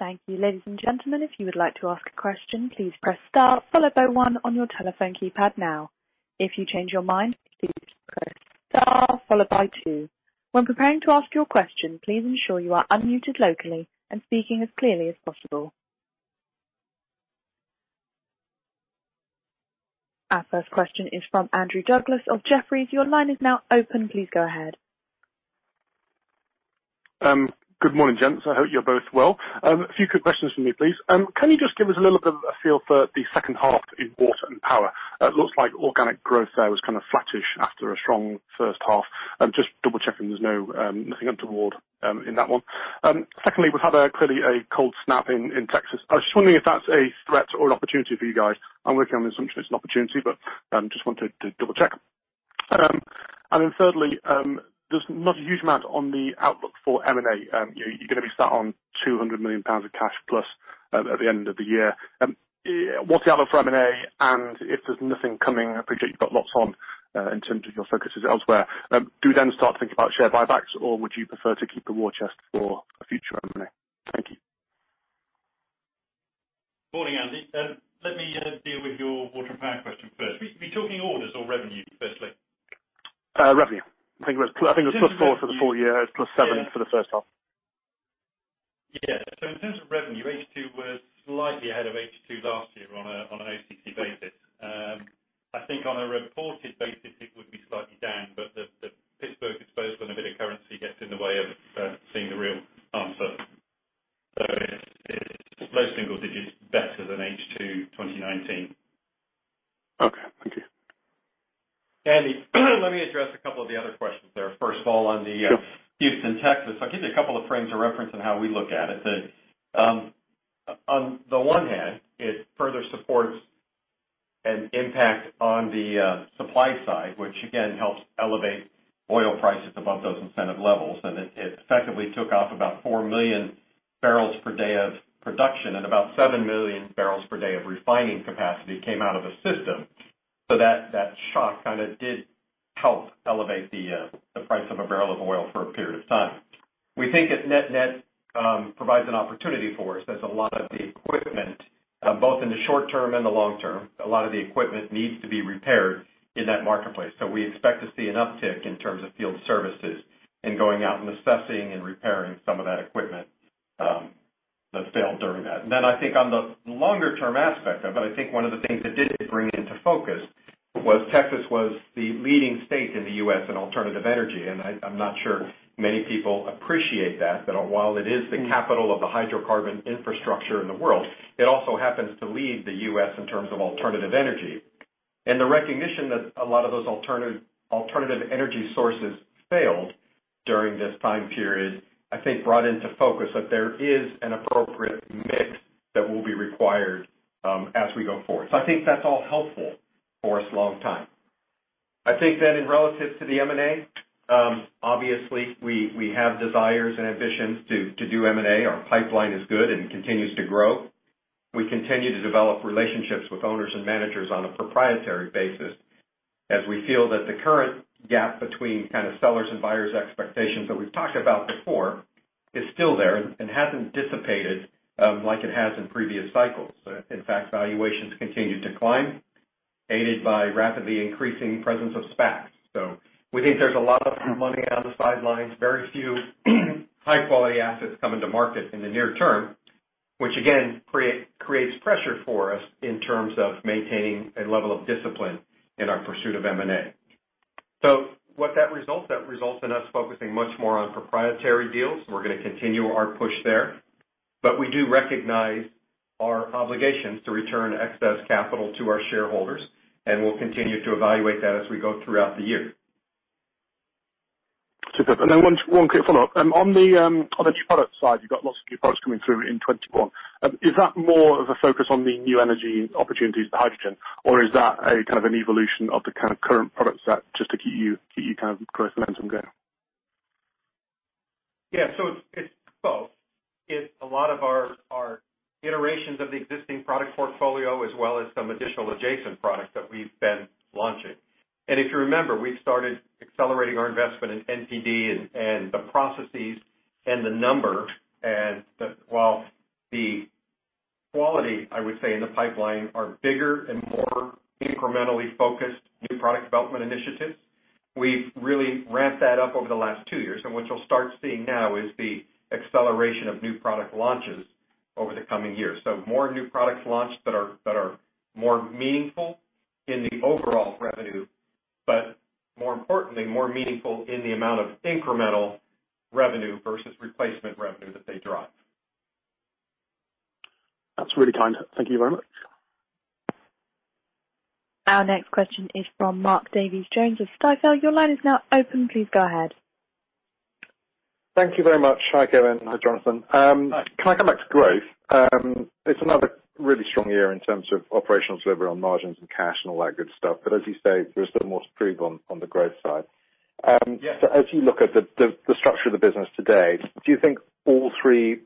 Thank you, ladies and gentlemen. If you would like to ask a question, please press star followed by one on your telephone keypad now. If you change your mind, please press star followed by two. When preparing to ask your question, please ensure you are unmuted locally and speaking as clearly as possible. Our first question is from Andrew Douglas of Jefferies. Your line is now open. Please go ahead. Good morning, gents. I hope you're both well. A few quick questions from me, please. Can you just give us a little bit of a feel for the H2 in water and power? It looks like organic growth there was kind of flattish after a strong H1. Just double-checking there's nothing untoward in that one. Secondly, we've had clearly a cold snap in Texas. I was just wondering if that's a threat or an opportunity for you guys. I'm working on the assumption it's an opportunity, but just wanted to double-check. Thirdly, there's not a huge amount on the outlook for M&A. You're going to be sat on 200 million pounds of cash plus at the end of the year. What's the outlook for M&A? If there's nothing coming, I appreciate you've got lots on in terms of your focuses elsewhere. Do you start to think about share buybacks, or would you prefer to keep the war chest for a future M&A? Thank you. Morning, Andy. Let me deal with your water and power question first. Are we talking orders or revenue, firstly? Revenue. I think it was +4% for the full year. It was +7% for the H1. In terms of revenue, H2 was slightly ahead of H2 last year on an OCC basis. I think on a reported basis it would be slightly down, the Pittsburgh disposal and a bit of currency gets in the way of seeing the real answer. It's low single digits, better than H2 2019. Okay. Thank you. Andy, let me address a couple of the other questions there. Sure Houston, Texas. I'll give you a couple of frames of reference on how we look at it. On the one hand, it further supports an impact on the supply side, which again helps elevate oil prices above those incentive levels. It effectively took off about 4 million barrels per day of production and about 7 million barrels per day of refining capacity came out of the system. That shock kind of did help elevate the price of a barrel of oil for a period of time. We think it net provides an opportunity for us as a lot of the equipment, both in the short term and the long term, a lot of the equipment needs to be repaired in that marketplace. We expect to see an uptick in terms of field services and going out and assessing and repairing some of that equipment that failed during that. I think on the longer-term aspect of it, I think one of the things it did bring into focus was Texas was the leading state in the U.S. in alternative energy, and I'm not sure many people appreciate that while it is the capital of the hydrocarbon infrastructure in the world, it also happens to lead the U.S. in terms of alternative energy. The recognition that a lot of those alternative energy sources failed during this time period, I think brought into focus that there is an appropriate mix that will be required as we go forward. I think that's all helpful for us long time. I think relative to M&A, obviously we have desires and ambitions to do M&A. Our pipeline is good and continues to grow. We continue to develop relationships with owners and managers on a proprietary basis as we feel that the current gap between kind of sellers and buyers expectations that we've talked about before is still there and hasn't dissipated like it has in previous cycles. In fact, valuations continue to climb, aided by rapidly increasing presence of SPACs. We think there's a lot of money on the sidelines, very few high-quality assets coming to market in the near term, which again creates pressure for us in terms of maintaining a level of discipline in our pursuit of M&A. That results in us focusing much more on proprietary deals, and we're going to continue our push there. We do recognize our obligations to return excess capital to our shareholders, and we'll continue to evaluate that as we go throughout the year. Super. One quick follow-up. On the new product side, you've got lots of new products coming through in 2021. Is that more of a focus on the new energy opportunities with hydrogen, or is that a kind of an evolution of the kind of current product set just to keep your kind of growth momentum going? It's both. It's a lot of our iterations of the existing product portfolio as well as some additional adjacent products that we've been launching. If you remember, we started accelerating our investment in NPD and the processes and the number as well. The quality, I would say, in the pipeline are bigger and more incrementally focused new product development initiatives. We've really ramped that up over the last two years, and what you'll start seeing now is the acceleration of new product launches over the coming years. More new products launched that are more meaningful in the overall revenue, but more importantly, more meaningful in the amount of incremental revenue versus replacement revenue that they drive. That's really kind. Thank you very much. Our next question is from Mark Davies Jones of Stifel. Your line is now open. Please go ahead. Thank you very much. Hi, Kevin. Hi, Jonathan. Hi. Can I come back to growth? It's another really strong year in terms of operational delivery on margins and cash and all that good stuff. As you say, there is still more to prove on the growth side. Yes. As you look at the structure of the business today, do you think all three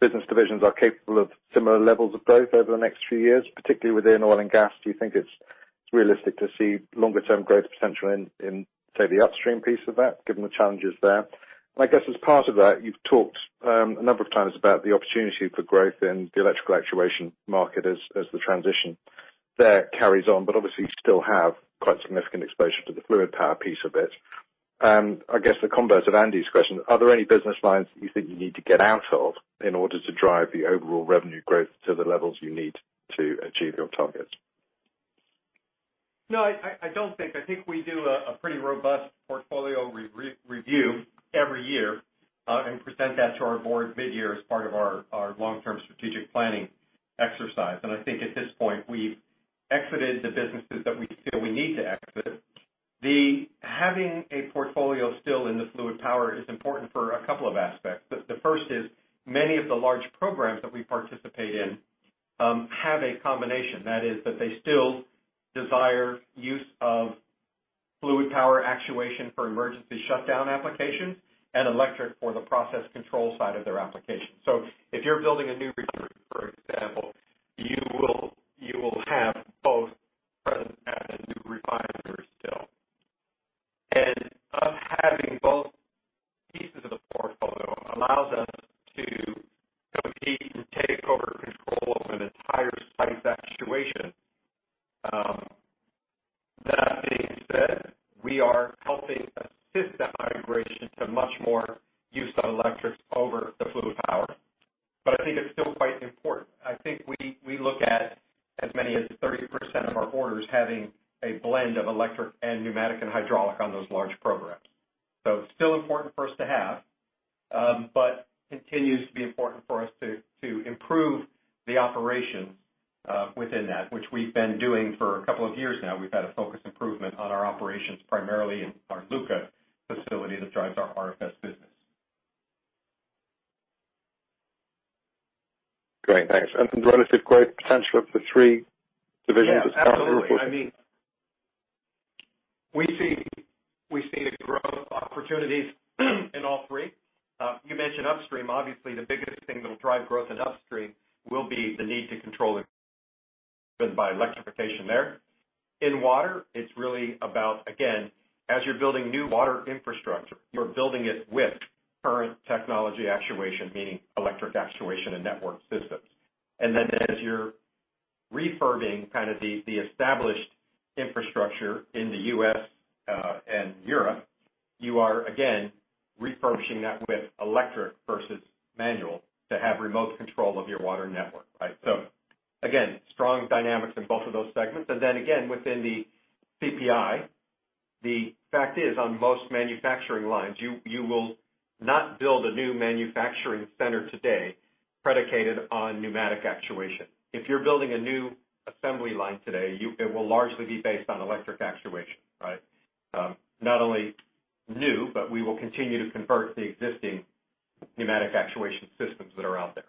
business divisions are capable of similar levels of growth over the next few years, particularly within oil and gas? Do you think it's realistic to see longer term growth potential in, say, the upstream piece of that, given the challenges there? I guess as part of that, you've talked, a number of times about the opportunity for growth in the electrical actuation market as the transition there carries on. Obviously you still have quite significant exposure to the fluid power piece of it. I guess the converse of Andy's question, are there any business lines that you think you need to get out of in order to drive the overall revenue growth to the levels you need to achieve your targets? No, I don't think. I think we do a pretty robust portfolio review every year, and present that to our board mid-year as part of our long-term strategic planning exercise. I think at this point, we've exited the businesses that we feel we need to exit. Having a portfolio still in the fluid power is important for a couple of aspects. The first is many of the large programs that we participate in have a combination. That is, that they still desire use of fluid power actuation for emergency shutdown applications and electric for the process control side of their application. If you're building a new refinery, for example, you will have both present at the new refinery still. Us having both pieces of the portfolio allows us to compete and take over control of an entire site's actuation. That being said, we are helping assist the migration to much more use of electric over the fluid power. I think it's still quite important. I think we look at as many as 30% of our orders having a blend of electric and pneumatic and hydraulic on those large programs. It's still important for us to have, but continues to be important for us to improve the operations within that, which we've been doing for a couple of years now. We've had a focus improvement on our operations, primarily in our Lucca facility that drives our RFS business. Great, thanks. The relative growth potential of the three divisions as part of the report? Yeah, absolutely. We see the growth opportunities in all three. You mentioned upstream. Obviously, the biggest thing that will drive growth in upstream will be the need to control it by electrification there. In water, it's really about, again, as you're building new water infrastructure, you're building it with current technology actuation, meaning electric actuation and network systems. As you're refurbing kind of the established infrastructure in the U.S. and Europe, you are again refurbishing that with electric versus manual to have remote control of your water network. Right? Again, strong dynamics in both of those segments. Again, within the CPI, the fact is, on most manufacturing lines, you will not build a new manufacturing center today predicated on pneumatic actuation. If you're building a new assembly line today, it will largely be based on electric actuation. Right? Not only new, but we will continue to convert the existing pneumatic actuation systems that are out there.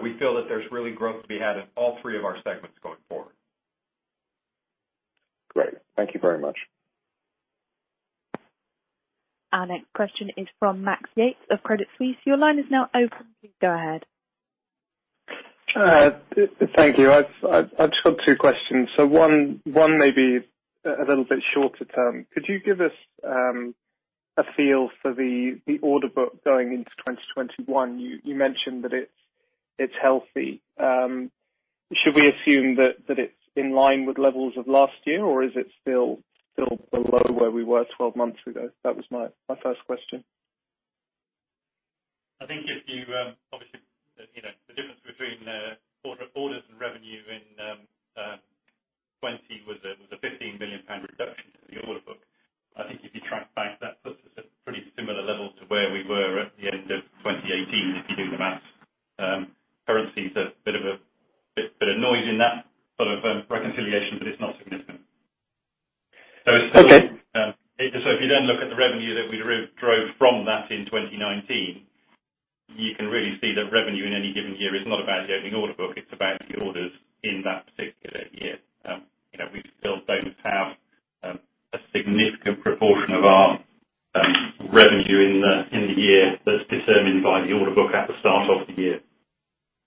We feel that there's really growth to be had in all three of our segments going forward. Great. Thank you very much. Our next question is from Max Yates of Credit Suisse. Your line is now open. Please go ahead. Thank you. I've just got two questions. One may be a little bit shorter term. Could you give us a feel for the order book going into 2021? You mentioned that it's healthy. Should we assume that it's in line with levels of last year, or is it still below where we were 12 months ago? That was my first question. I think Obviously, the difference between orders and revenue in 2020 was a 15 billion pound reduction to the order book. I think if you track back, that puts us at pretty similar levels to where we were at the end of 2018, if you do the math. Currency is a bit of noise in that sort of reconciliation, but it's not significant. Okay. If you then look at the revenue that we drove from that in 2019, you can really see that revenue in any given year is not about the opening order book, it is about the orders in that particular year. We still do not have a significant proportion of our revenue in the year that is determined by the order book at the start of the year.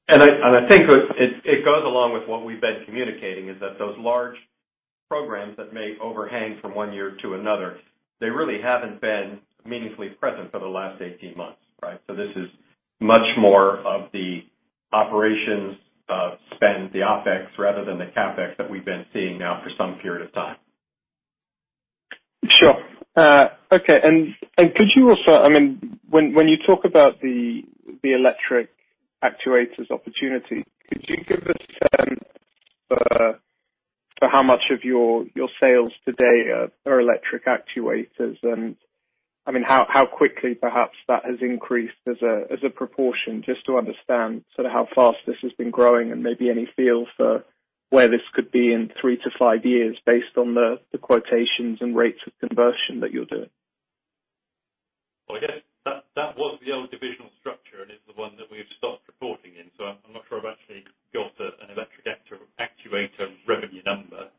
I think it goes along with what we've been communicating, is that those large programs that may overhang from one year to another, they really haven't been meaningfully present for the last 18 months. Right? This is much more of the operations spend, the OpEx rather than the CapEx that we've been seeing now for some period of time. Sure. Okay. Could you also, when you talk about the electric actuators opportunity, could you give a sense for how much of your sales today are electric actuators and how quickly perhaps that has increased as a proportion, just to understand how fast this has been growing and maybe any feel for where this could be in three to five years based on the quotations and rates of conversion that you're doing? Well, I guess that was the old divisional structure and is the one that we've stopped reporting in. I'm not sure I've actually got an electric actuator revenue number.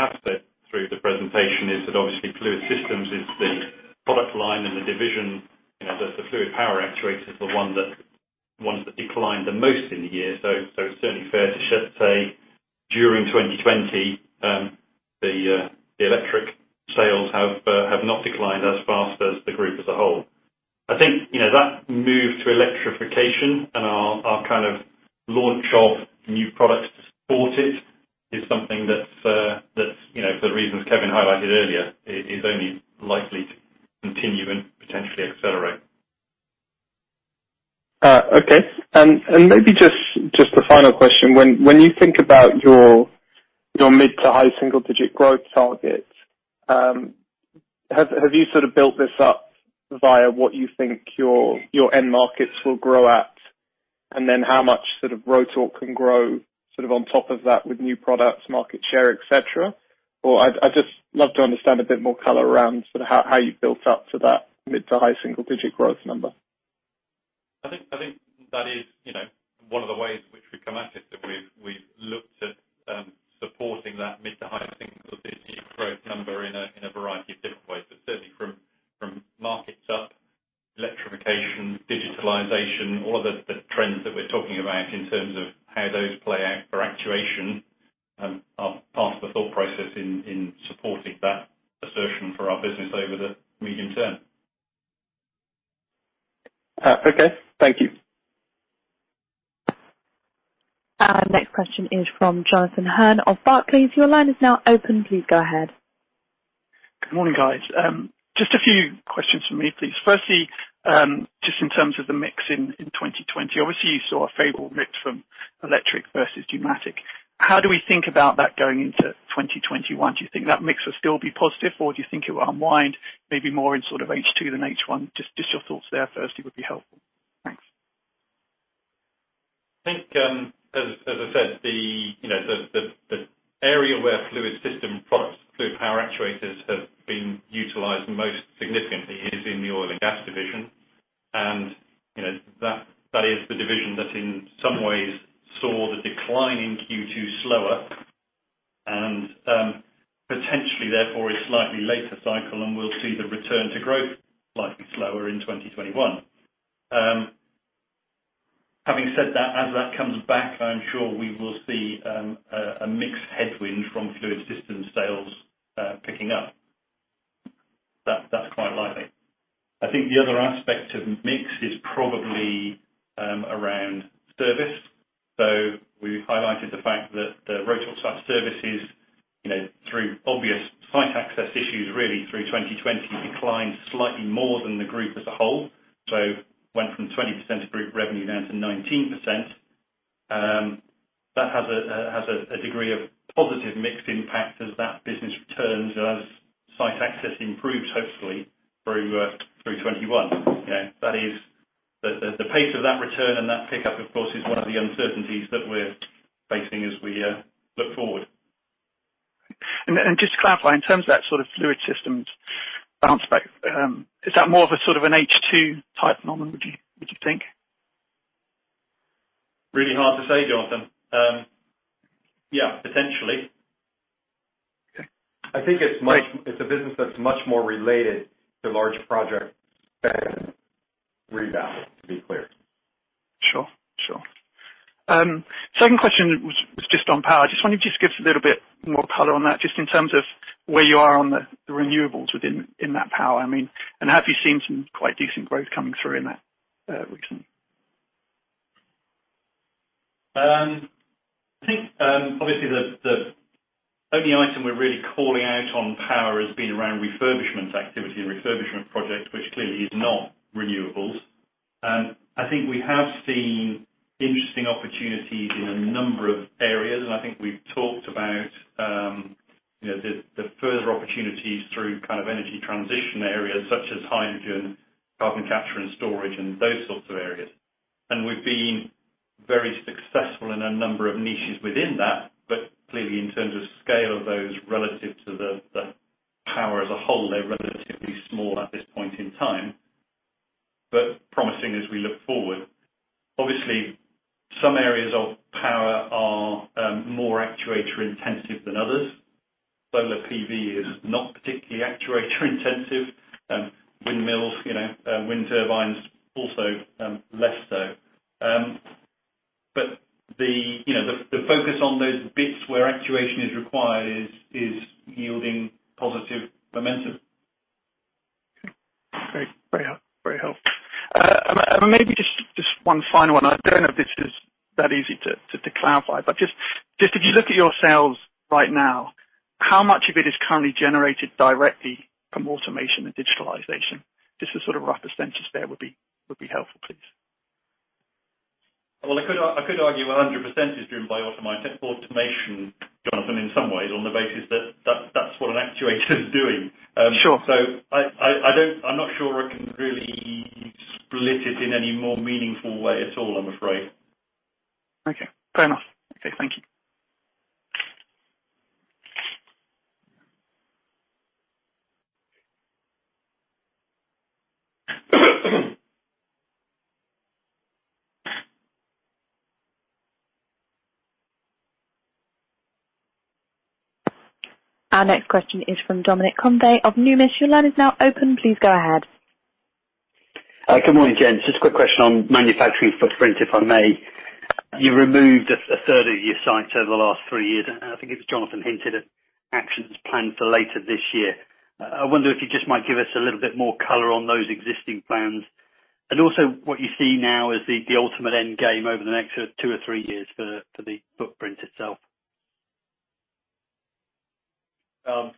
I said through the presentation is that obviously Fluid Systems is the product line and the division, the fluid power actuator is the one that declined the most in the year. It's certainly fair to say, during 2020, the electric sales have not declined as fast as the group as a whole. I think, that move to electrification and our kind of launch of new products to support it is something that, for the reasons Kevin highlighted earlier, is only likely to continue and potentially accelerate. Okay. Maybe just a final question. When you think about your mid to high single digit growth target, have you built this up via what you think your end markets will grow at? Then how much Rotork can grow on top of that with new products, market share, et cetera? I'd just love to understand a bit more color around how you've built up to that mid to high single digit growth number? I think that is one of the ways which we come at it, that we've looked at supporting that mid to high single digit growth number in a variety of different ways. Certainly from markets up, electrification, digitalization, all of the trends that we're talking about in terms of how those play out for actuation, are part of the thought process in supporting that assertion for our business over the medium term. Okay. Thank you. Our next question is from Jonathan Hern of Barclays. Good morning, guys. Just a few questions from me, please. Just in terms of the mix in 2020, obviously you saw a favorable mix from electric versus pneumatic. How do we think about that going into 2021? Do you think that mix will still be positive or do you think it will unwind maybe more in H2 than H1? Just your thoughts there firstly would be helpful. Thanks. I think, as I said, the area where fluid system products, fluid power actuators have been utilized most significantly is in the oil and gas division. That is the division that in some ways saw the decline in Q2 slower and potentially, therefore, a slightly later cycle, and we'll see the return to growth slightly slower in 2021. Having said that, as that comes back, I am sure we will see a mixed headwind from fluid system sales picking up. That's quite likely. I think the other aspect of mix is probably around service. We highlighted the fact that the Rotork Site Services, through obvious site access issues really through 2020, declined slightly more than the group as a whole. Went from 20% of group revenue down to 19%. That has a degree of positive mix impact as that business returns, as site access improves, hopefully, through 2021. The pace of that return and that pickup, of course, is one of the uncertainties that we're facing as we look forward. Just to clarify, in terms of that sort of Fluid Systems bounce back, is that more of a sort of an H2 type phenomenon, would you think? Really hard to say, Jonathan. Yeah, potentially. Okay. I think it's a business that's much more related to large projects than rebound. To be clear. Sure. Second question was just on power. I just wonder if you could just give us a little bit more color on that, just in terms of where you are on the renewables within that power? Have you seen some quite decent growth coming through in that recently? I think, obviously the only item we're really calling out on power has been around refurbishment activity and refurbishment projects, which clearly is not renewables. I think we have seen interesting opportunities in a number of areas, and I think we've talked about the further opportunities through energy transition areas such as hydrogen, carbon capture and storage, and those sorts of areas. We've been very successful in a number of niches within that. Clearly in terms of scale of those relative to the power as a whole, they're relatively small at this point in time. Promising as we look forward. Obviously, some areas of power are more actuator intensive than others. solar PV is not particularly actuator intensive. Windmills, wind turbines, also less so. The focus on those bits where actuation is required is yielding positive momentum. Okay. Very helpful. Maybe just one final one. I don't know if this is that easy to clarify, but just if you look at your sales right now, how much of it is currently generated directly from automation and digitalization? Just a sort of rough percentage there would be helpful, please. Well, I could argue 100% is driven by automation, Jonathan, in some ways, on the basis that that's what an actuator is doing. Sure. I'm not sure I can really split it in any more meaningful way at all, I'm afraid. Okay. Fair enough. Okay. Thank you. Our next question is from Dominic Convey of Numis. Your line is now open. Please go ahead. Good morning, gents. Just a quick question on manufacturing footprint, if I may. You removed a third of your sites over the last three years. I think it was Jonathan hinted at actions planned for later this year. I wonder if you just might give us a little bit more color on those existing plans, and also what you see now as the ultimate end game over the next two or three years for the footprint itself. Jonathan,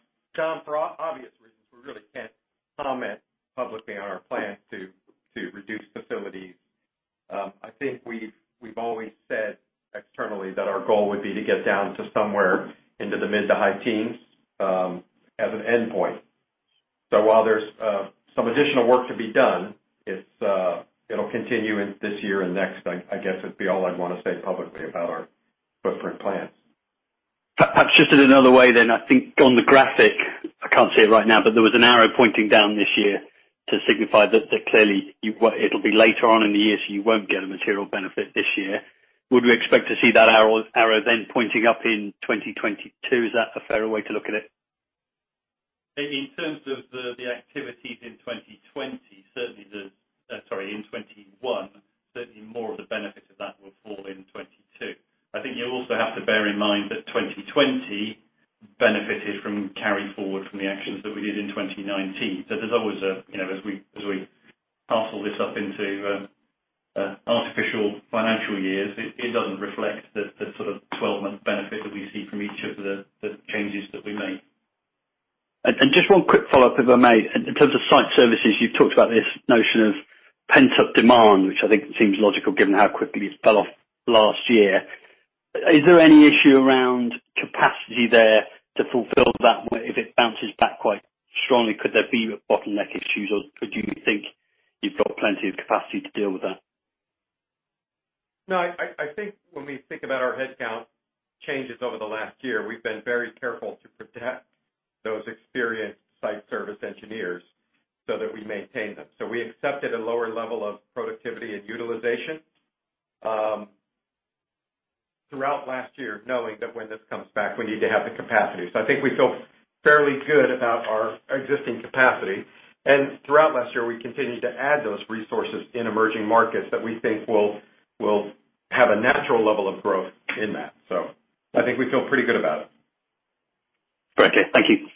for obvious reasons, we really can't comment publicly on our plans to reduce facilities. I think we've always said externally that our goal would be to get down to somewhere into the mid to high teens as an endpoint. While there's some additional work to be done, it'll continue in this year and next, I guess, would be all I'd want to say publicly about our footprint plans. Perhaps just in another way, I think on the graphic, I can't see it right now, there was an arrow pointing down this year to signify that clearly it'll be later on in the year, you won't get a material benefit this year. Would we expect to see that arrow pointing up in 2022? Is that a fair way to look at it? In terms of the activities in 2020, certainly in 2021, certainly more of the benefit of that will fall in 2022. I think you also have to bear in mind that 2020 benefited from carry forward from the actions that we did in 2019. There's always a, as we parcel this up into artificial financial years, it doesn't reflect the sort of 12-month benefit that we see from each of the changes that we make. Just one quick follow-up, if I may? In terms of Site Services, you've talked about this notion of pent-up demand, which I think seems logical given how quickly these fell off last year. Is there any issue around capacity there to fulfill that if it bounces back quite strongly? Could there be bottleneck issues, or could you think you've got plenty of capacity to deal with that? No, I think when we think about our headcount changes over the last year, we've been very careful to protect those experienced site service engineers so that we maintain them. We accepted a lower level of productivity and utilization throughout last year, knowing that when this comes back, we need to have the capacity. I think we feel fairly good about our existing capacity. Throughout last year, we continued to add those resources in emerging markets that we think will have a natural level of growth in that. I think we feel pretty good about it. Great. Thank you.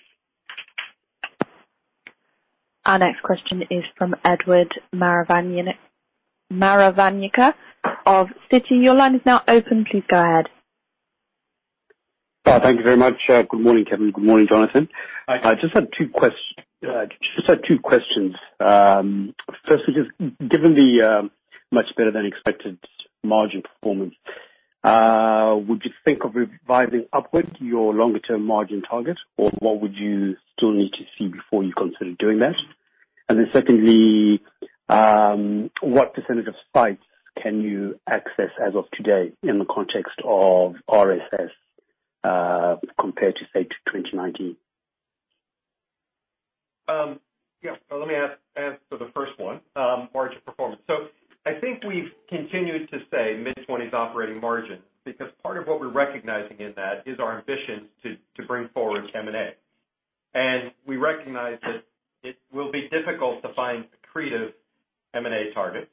Our next question is from Edward Maravanayake of Citi. Your line is now open. Please go ahead. Thank you very much. Good morning, Kevin. Good morning, Jonathan. Hi. I just had two questions. First is, given the much better than expected margin performance, would you think of revising upward your longer-term margin target, or what would you still need to see before you consider doing that? Secondly, what % of sites can you access as of today in the context of RSS compared to, say, 2019? Let me answer the first one, margin performance. I think we've continued to say mid-20s operating margin because part of what we're recognizing in that is our ambition to bring forward M&A. We recognize that it will be difficult to find accretive M&A targets.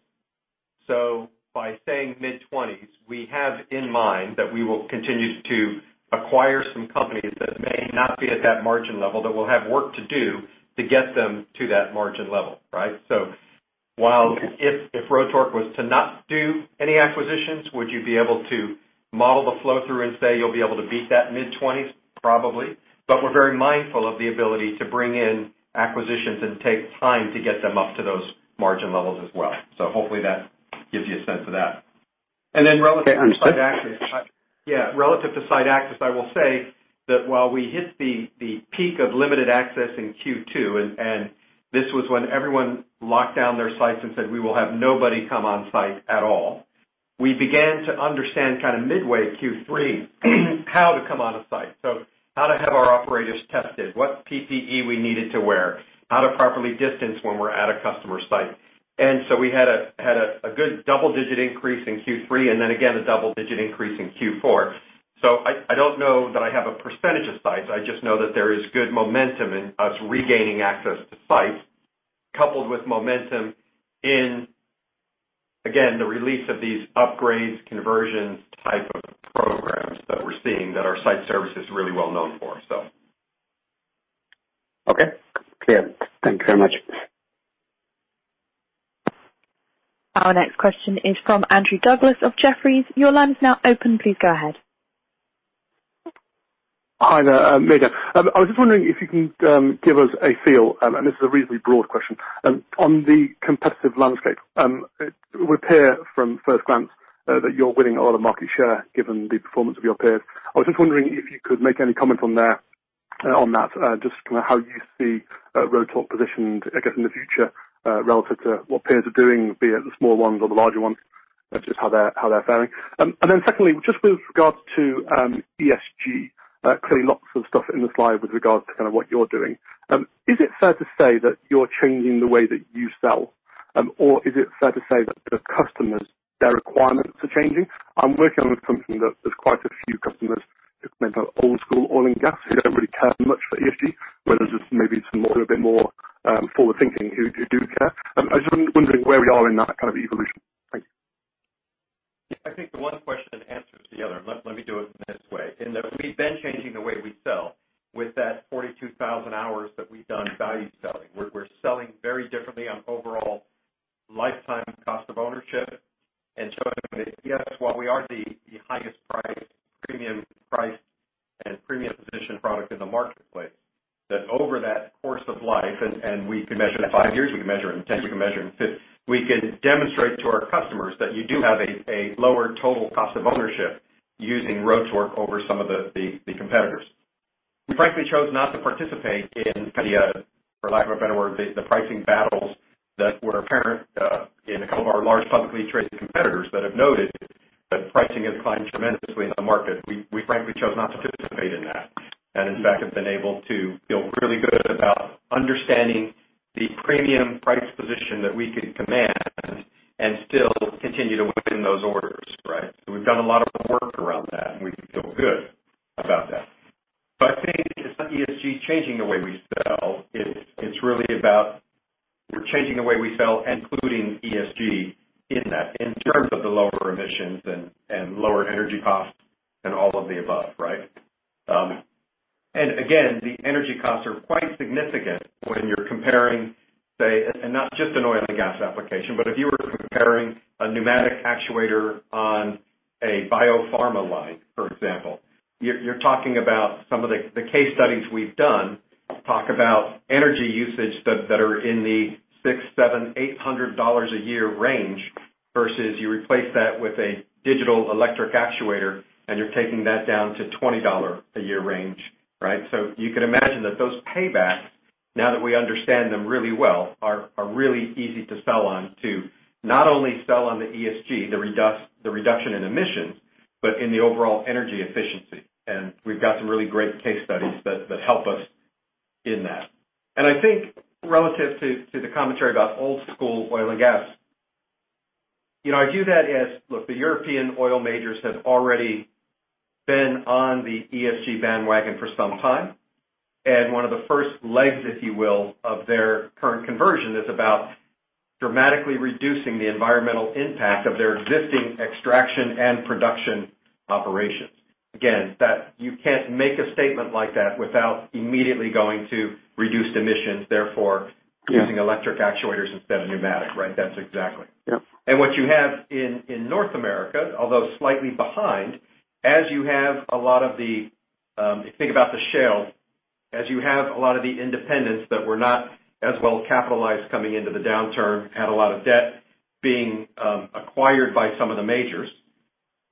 By saying mid-20s, we have in mind that we will continue to acquire some companies that may not be at that margin level, that will have work to do to get them to that margin level, right? While if Rotork was to not do any acquisitions, would you be able to model the flow-through and say you'll be able to beat that mid-20s? Probably. We're very mindful of the ability to bring in acquisitions and take time to get them up to those margin levels as well. Hopefully that gives you a sense of that. Okay. Understood. Yeah. Relative to site access, I will say that while we hit the peak of limited access in Q2. This was when everyone locked down their sites and said we will have nobody come on site at all. We began to understand kind of midway Q3 how to come on a site. How to have our operators tested, what PPE we needed to wear, how to properly distance when we're at a customer site. We had a good double-digit increase in Q3 and then again a double-digit increase in Q4. I don't know that I have a percentage of sites. I just know that there is good momentum in us regaining access to sites coupled with momentum in, again, the release of these upgrades, conversion type of programs that we're seeing that our site service is really well known for. Okay. Clear. Thank you very much. Our next question is from Andrew Douglas of Jefferies. Your line is now open. Please go ahead. Hi there. Morning. I was just wondering if you can give us a feel, and this is a reasonably broad question, on the competitive landscape. It would appear from first glance that you're winning a lot of market share given the performance of your peers. I was just wondering if you could make any comment on that. Just how you see Rotork positioned, I guess, in the future relative to what peers are doing, be it the small ones or the larger ones, just how they're faring. secondly, just with regards to ESG, clearly lots of stuff in the slide with regards to kind of what you're doing. Is it fair to say that you're changing the way that you sell? Or is it fair to say that the customers, their requirements are changing? I'm working with a company that there's quite a few customers, old school oil and gas, who don't really care much for ESG, whereas it's maybe some who are a bit more forward-thinking who do care. I'm just wondering where we are in that kind of evolution. Thanks. Yeah. I think the one question answers the other, and let me do it this way. In that we've been changing the way we sell with that 42,000 hours that we've done value selling. We're selling very differently on overall lifetime cost of ownership and showing that, yes, while we are the highest priced, premium priced, and premium positioned product in the marketplace, that over that course of life, and we can measure in five years, we can measure in 10, we can measure in 15, we can demonstrate to our customers that you do have a lower total cost of ownership using Rotork over some of the competitors. We frankly chose not to participate in the, for lack of a better word, the pricing battles that were apparent, in a couple of our large publicly traded competitors that have noted that pricing has climbed tremendously in the market. We frankly chose not to participate in that, and in fact, have been able to feel really good about understanding the premium price position that we can command and still continue to win those orders. Right? We've done a lot of work around that, and we feel good about that. I think it's not ESG changing the way we sell. It's really about we're changing the way we sell, including ESG in that, in terms of the lower emissions and lower energy costs and all of the above, right? Again, the energy costs are quite significant when you're comparing, say, and not just an oil and gas application, but if you were comparing a pneumatic actuator on a biopharma line, for example. You're talking about some of the case studies we've done talk about energy usage that are in the 600, 700, GBP 800 a year range versus you replace that with a digital electric actuator, and you're taking that down to GBP 20 a year range. Right? You could imagine that those paybacks, now that we understand them really well, are really easy to sell on to, not only sell on the ESG, the reduction in emissions, but in the overall energy efficiency. We've got some really great case studies that help us in that. I think relative to the commentary about old school oil and gas, I view that as, look, the European oil majors have already been on the ESG bandwagon for some time, and one of the first legs, if you will, of their current conversion is about dramatically reducing the environmental impact of their existing extraction and production operations. You can't make a statement like that without immediately going to reduced emissions, therefore using electric actuators instead of pneumatic, right? That's exactly. Yep. What you have in North America, although slightly behind, if you think about the shale, as you have a lot of the independents that were not as well capitalized coming into the downturn, had a lot of debt being acquired by some of the majors.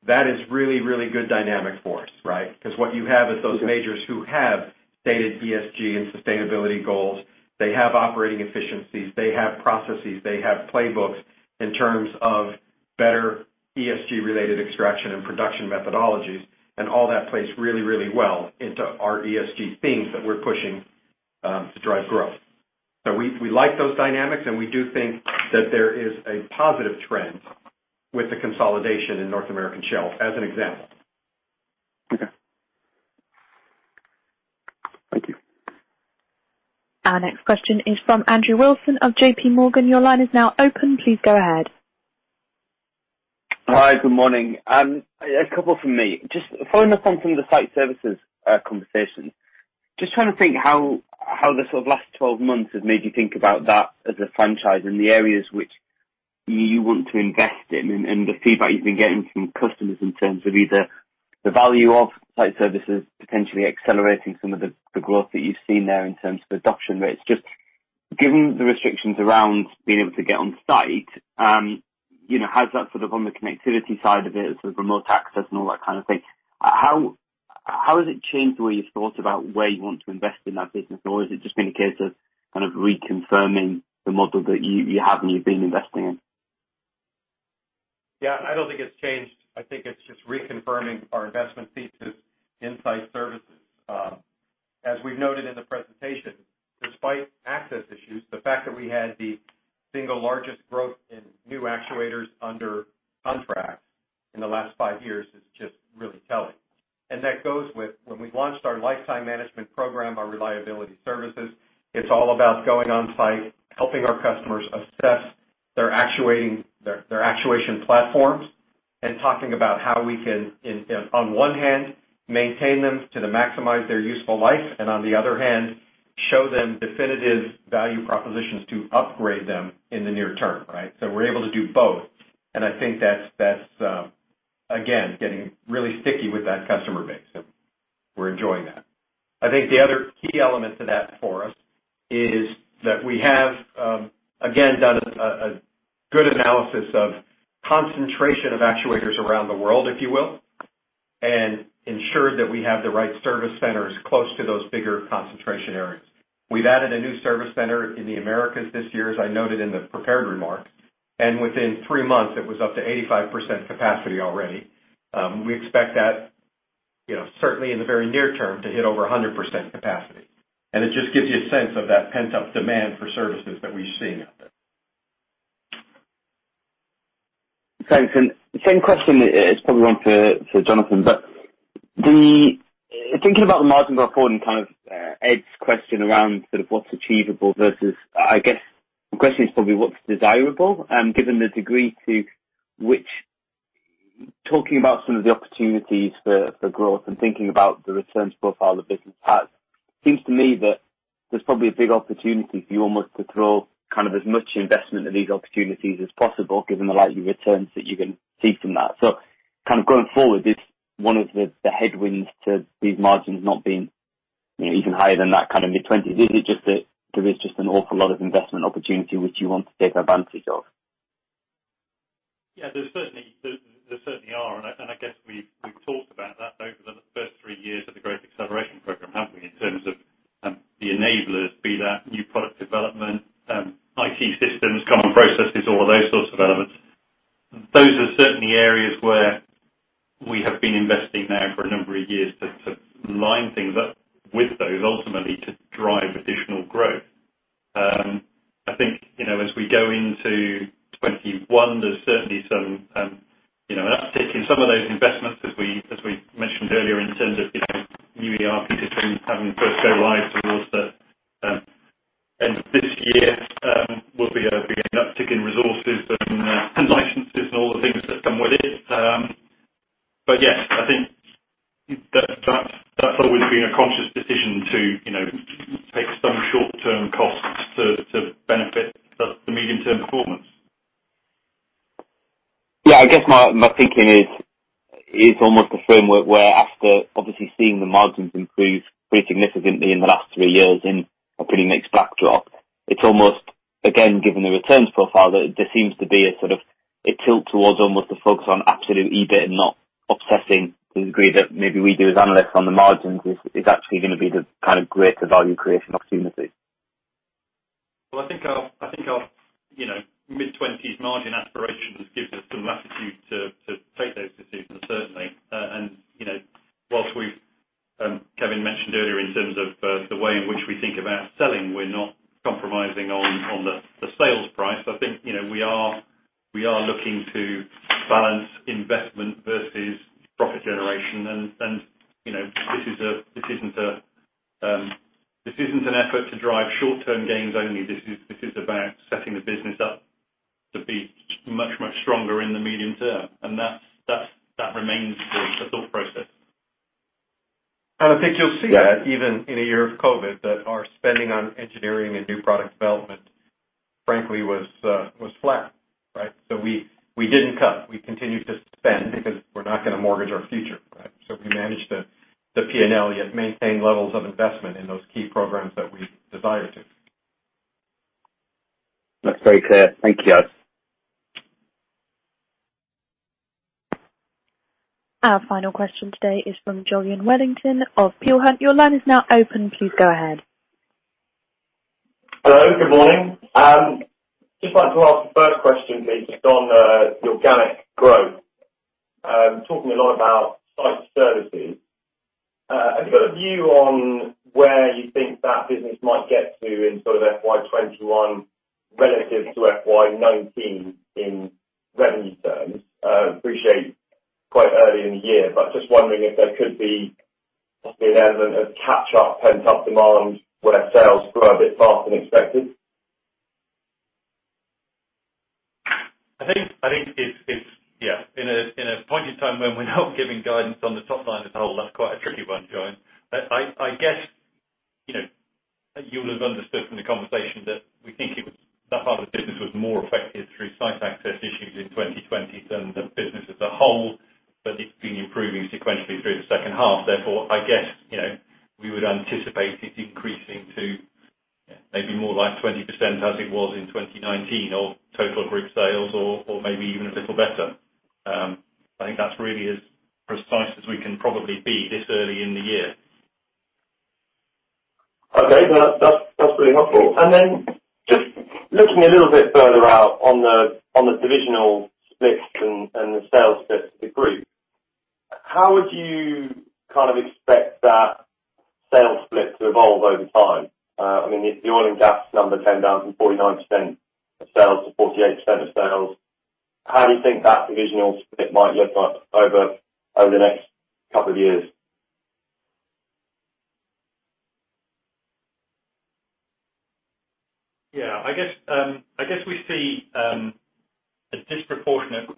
That is really, really good dynamic for us, right? Because what you have is those majors who have stated ESG and sustainability goals. They have operating efficiencies, they have processes, they have playbooks in terms of better ESG-related extraction and production methodologies. All that plays really, really well into our ESG themes that we're pushing to drive growth. We like those dynamics, and we do think that there is a positive trend with the consolidation in North American shale, as an example. Okay. Thank you. Our next question is from Andrew Wilson of J.P. Morgan. Your line is now open. Please go ahead. Hi. Good morning. A couple from me. Following up on some of the Rotork Site Services conversation. Trying to think how the sort of last 12 months has made you think about that as a franchise and the areas which you want to invest in and the feedback you've been getting from customers in terms of either the value of Rotork Site Services potentially accelerating some of the growth that you've seen there in terms of adoption rates. Given the restrictions around being able to get on-site, how's that sort of on the connectivity side of it as a remote access and all that kind of thing, how has it changed the way you've thought about where you want to invest in that business? Is it just been a case of kind of reconfirming the model that you have and you've been investing in? Yeah, I don't think it's changed. I think it's just reconfirming our investment thesis in Site Services. As we've noted in the presentation, despite access issues, the fact that we had the single largest growth in new actuators under contract in the last five years is just really telling. That goes with when we launched our Lifetime Management program, our Reliability Services, it's all about going on-site, helping our customers assess their actuation platforms, and talking about how we can, on one hand, maintain them to maximize their useful life, and on the other hand, show them definitive value propositions to upgrade them in the near term, right? We're able to do both, and I think that's, again, getting really sticky with that customer base. We're enjoying that. I think the other key element to that for us is that we have, again, done a good analysis of concentration of actuators around the world, if you will, and ensured that we have the right service centers close to those bigger concentration areas. We’ve added a new service center in the Americas this year, as I noted in the prepared remarks, and within three months, it was up to 85% capacity already. We expect that certainly in the very near term to hit over 100% capacity. It just gives you a sense of that pent-up demand for services that we’re seeing out there. Thanks. Same question, it's probably one for Jonathan, but thinking about the margin profile and Ed's question around sort of what's achievable versus, I guess, the question is probably what's desirable? Given the degree to which talking about some of the opportunities for growth and thinking about the returns profile the business has. Seems to me that there's probably a big opportunity for you almost to throw as much investment in these opportunities as possible, given the likely returns that you're going to see from that. Going forward, is one of the headwinds to these margins not being even higher than that kind of mid-20? Is it just that there is just an awful lot of investment opportunity which you want to take advantage of? Yeah. There certainly are. I guess we've talked about that over the first three years of the Growth Acceleration Programme, haven't we, in terms of the enablers, be that New Product Development, IT systems, common processes, all those sorts of elements. Those are certainly areas where we have been investing now for a number of years to line things up with those ultimately to take those decisions, certainly. Whilst Kevin mentioned earlier in terms of the way in which we think about selling, we're not compromising on the sales price. I think we are looking to balance investment versus profit generation, and this isn't an effort to drive short-term gains only. This is about setting the business up to be much, much stronger in the medium term, and that remains the thought process. I think you'll see that even in a year of COVID, that our spending on engineering and new product development, frankly, was flat. We didn't cut. We continued to spend because we're not going to mortgage our future. We managed the P&L, yet maintain levels of investment in those key programs that we desire to. That's very clear. Thank you. Our final question today is from Julian Wellington of Peel Hunt. Your line is now open. Please go ahead. Hello, good morning. Just like to ask the first question, please, on the organic growth. Talking a lot about Site Services. Have you got a view on where you think that business might get to in FY 2021 relative to FY 2019 in revenue terms? I appreciate quite early in the year, but just wondering if there could be an element of catch-up pent-up demand where sales grow a bit faster than expected. I think at a point in time when we're not giving guidance on the top line as a whole, that's quite a tricky one, Julian. I guess you would have understood from the conversation that we think that half of the business was more affected through site access issues in 2020 than the business as a whole, but it's been improving sequentially through the H2. I guess we would anticipate it increasing to maybe more like 20% as it was in 2019 of total group sales or maybe even a little better. I think that's really as precise as we can probably be this early in the year. Okay. That's really helpful. Then just looking a little bit further out on the divisional splits and the sales splits of the group. How would you expect that sales split to evolve over time? The oil and gas number came down from 49% of sales to 48% of sales. How do you think that divisional split might look like over the next couple of years? Yeah. I guess we see a disproportionate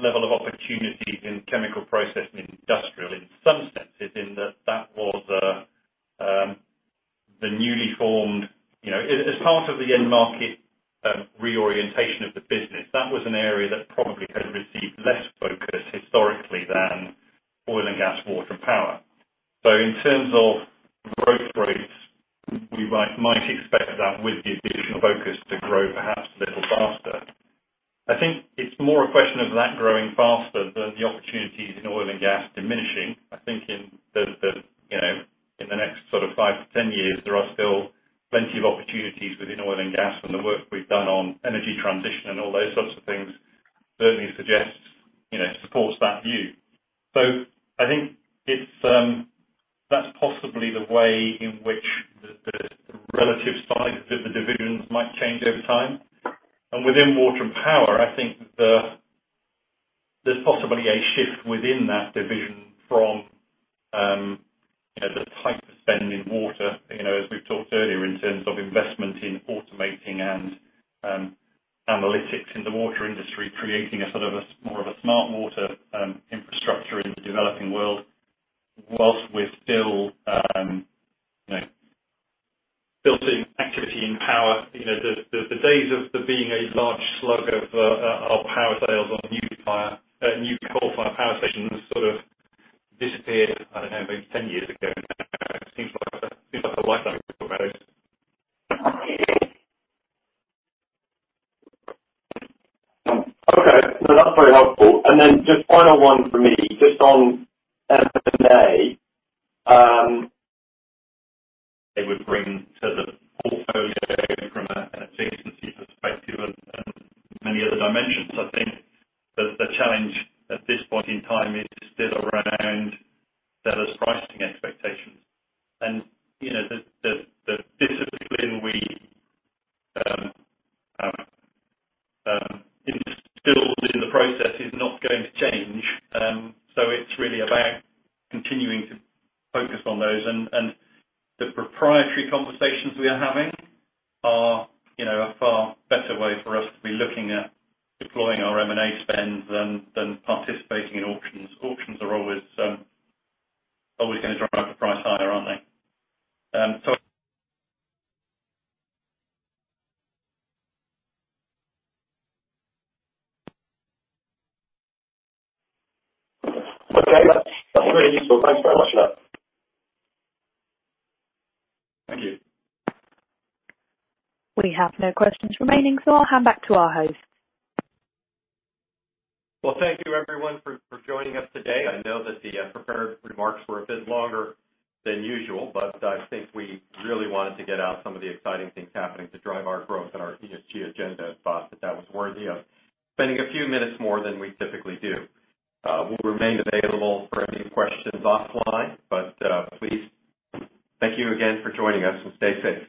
level of opportunity in chemical processing industrial in some senses in that As part of the end market reorientation of the business, that was an area that probably had received less focus historically than oil and gas, water, and power. In terms of growth rates, we might expect that with the additional focus to grow perhaps a little faster. I think it's more a question of that growing faster than the opportunities in oil and gas diminishing. I think in the next sort of five to 10 years, there are still plenty of opportunities within oil and gas and the work we've done on energy transition and all those sorts of things certainly suggests it supports that view. I think that's possibly the way in which the relative size of the divisions might change over time. Within water and power, I think there's possibly a shift within that division from the type of spend in water, as we've talked earlier, in terms of investment in automating and analytics in the water industry, creating a sort of more of a smart water infrastructure in the developing world, whilst we're still building activity and power. The days of there being a large slug of power sales on new coal-fired power stations has sort of disappeared, I don't know, maybe 10 years ago now. It seems like a lifetime ago. Okay. No, that's very helpful. Then just final one for me, just on M&A. They would bring to the portfolio from a adjacency perspective and many other dimensions. I think that the challenge at this point in time is still around seller's pricing expectations. The discipline we instilled in the process is not going to change. It's really about continuing to focus on those. The proprietary conversations we are having are a far better way for us to be looking at deploying our M&A spend than participating in auctions. Auctions are always going to drive the price higher, aren't they? Okay. That's really useful. Thanks very much for that. Thank you. We have no questions remaining, so I'll hand back to our host. Well, thank you everyone for joining us today. I know that the prepared remarks were a bit longer than usual, but I think we really wanted to get out some of the exciting things happening to drive our growth and our ESG agenda. Thought that that was worthy of spending a few minutes more than we typically do. We'll remain available for any questions offline, but please thank you again for joining us and stay safe.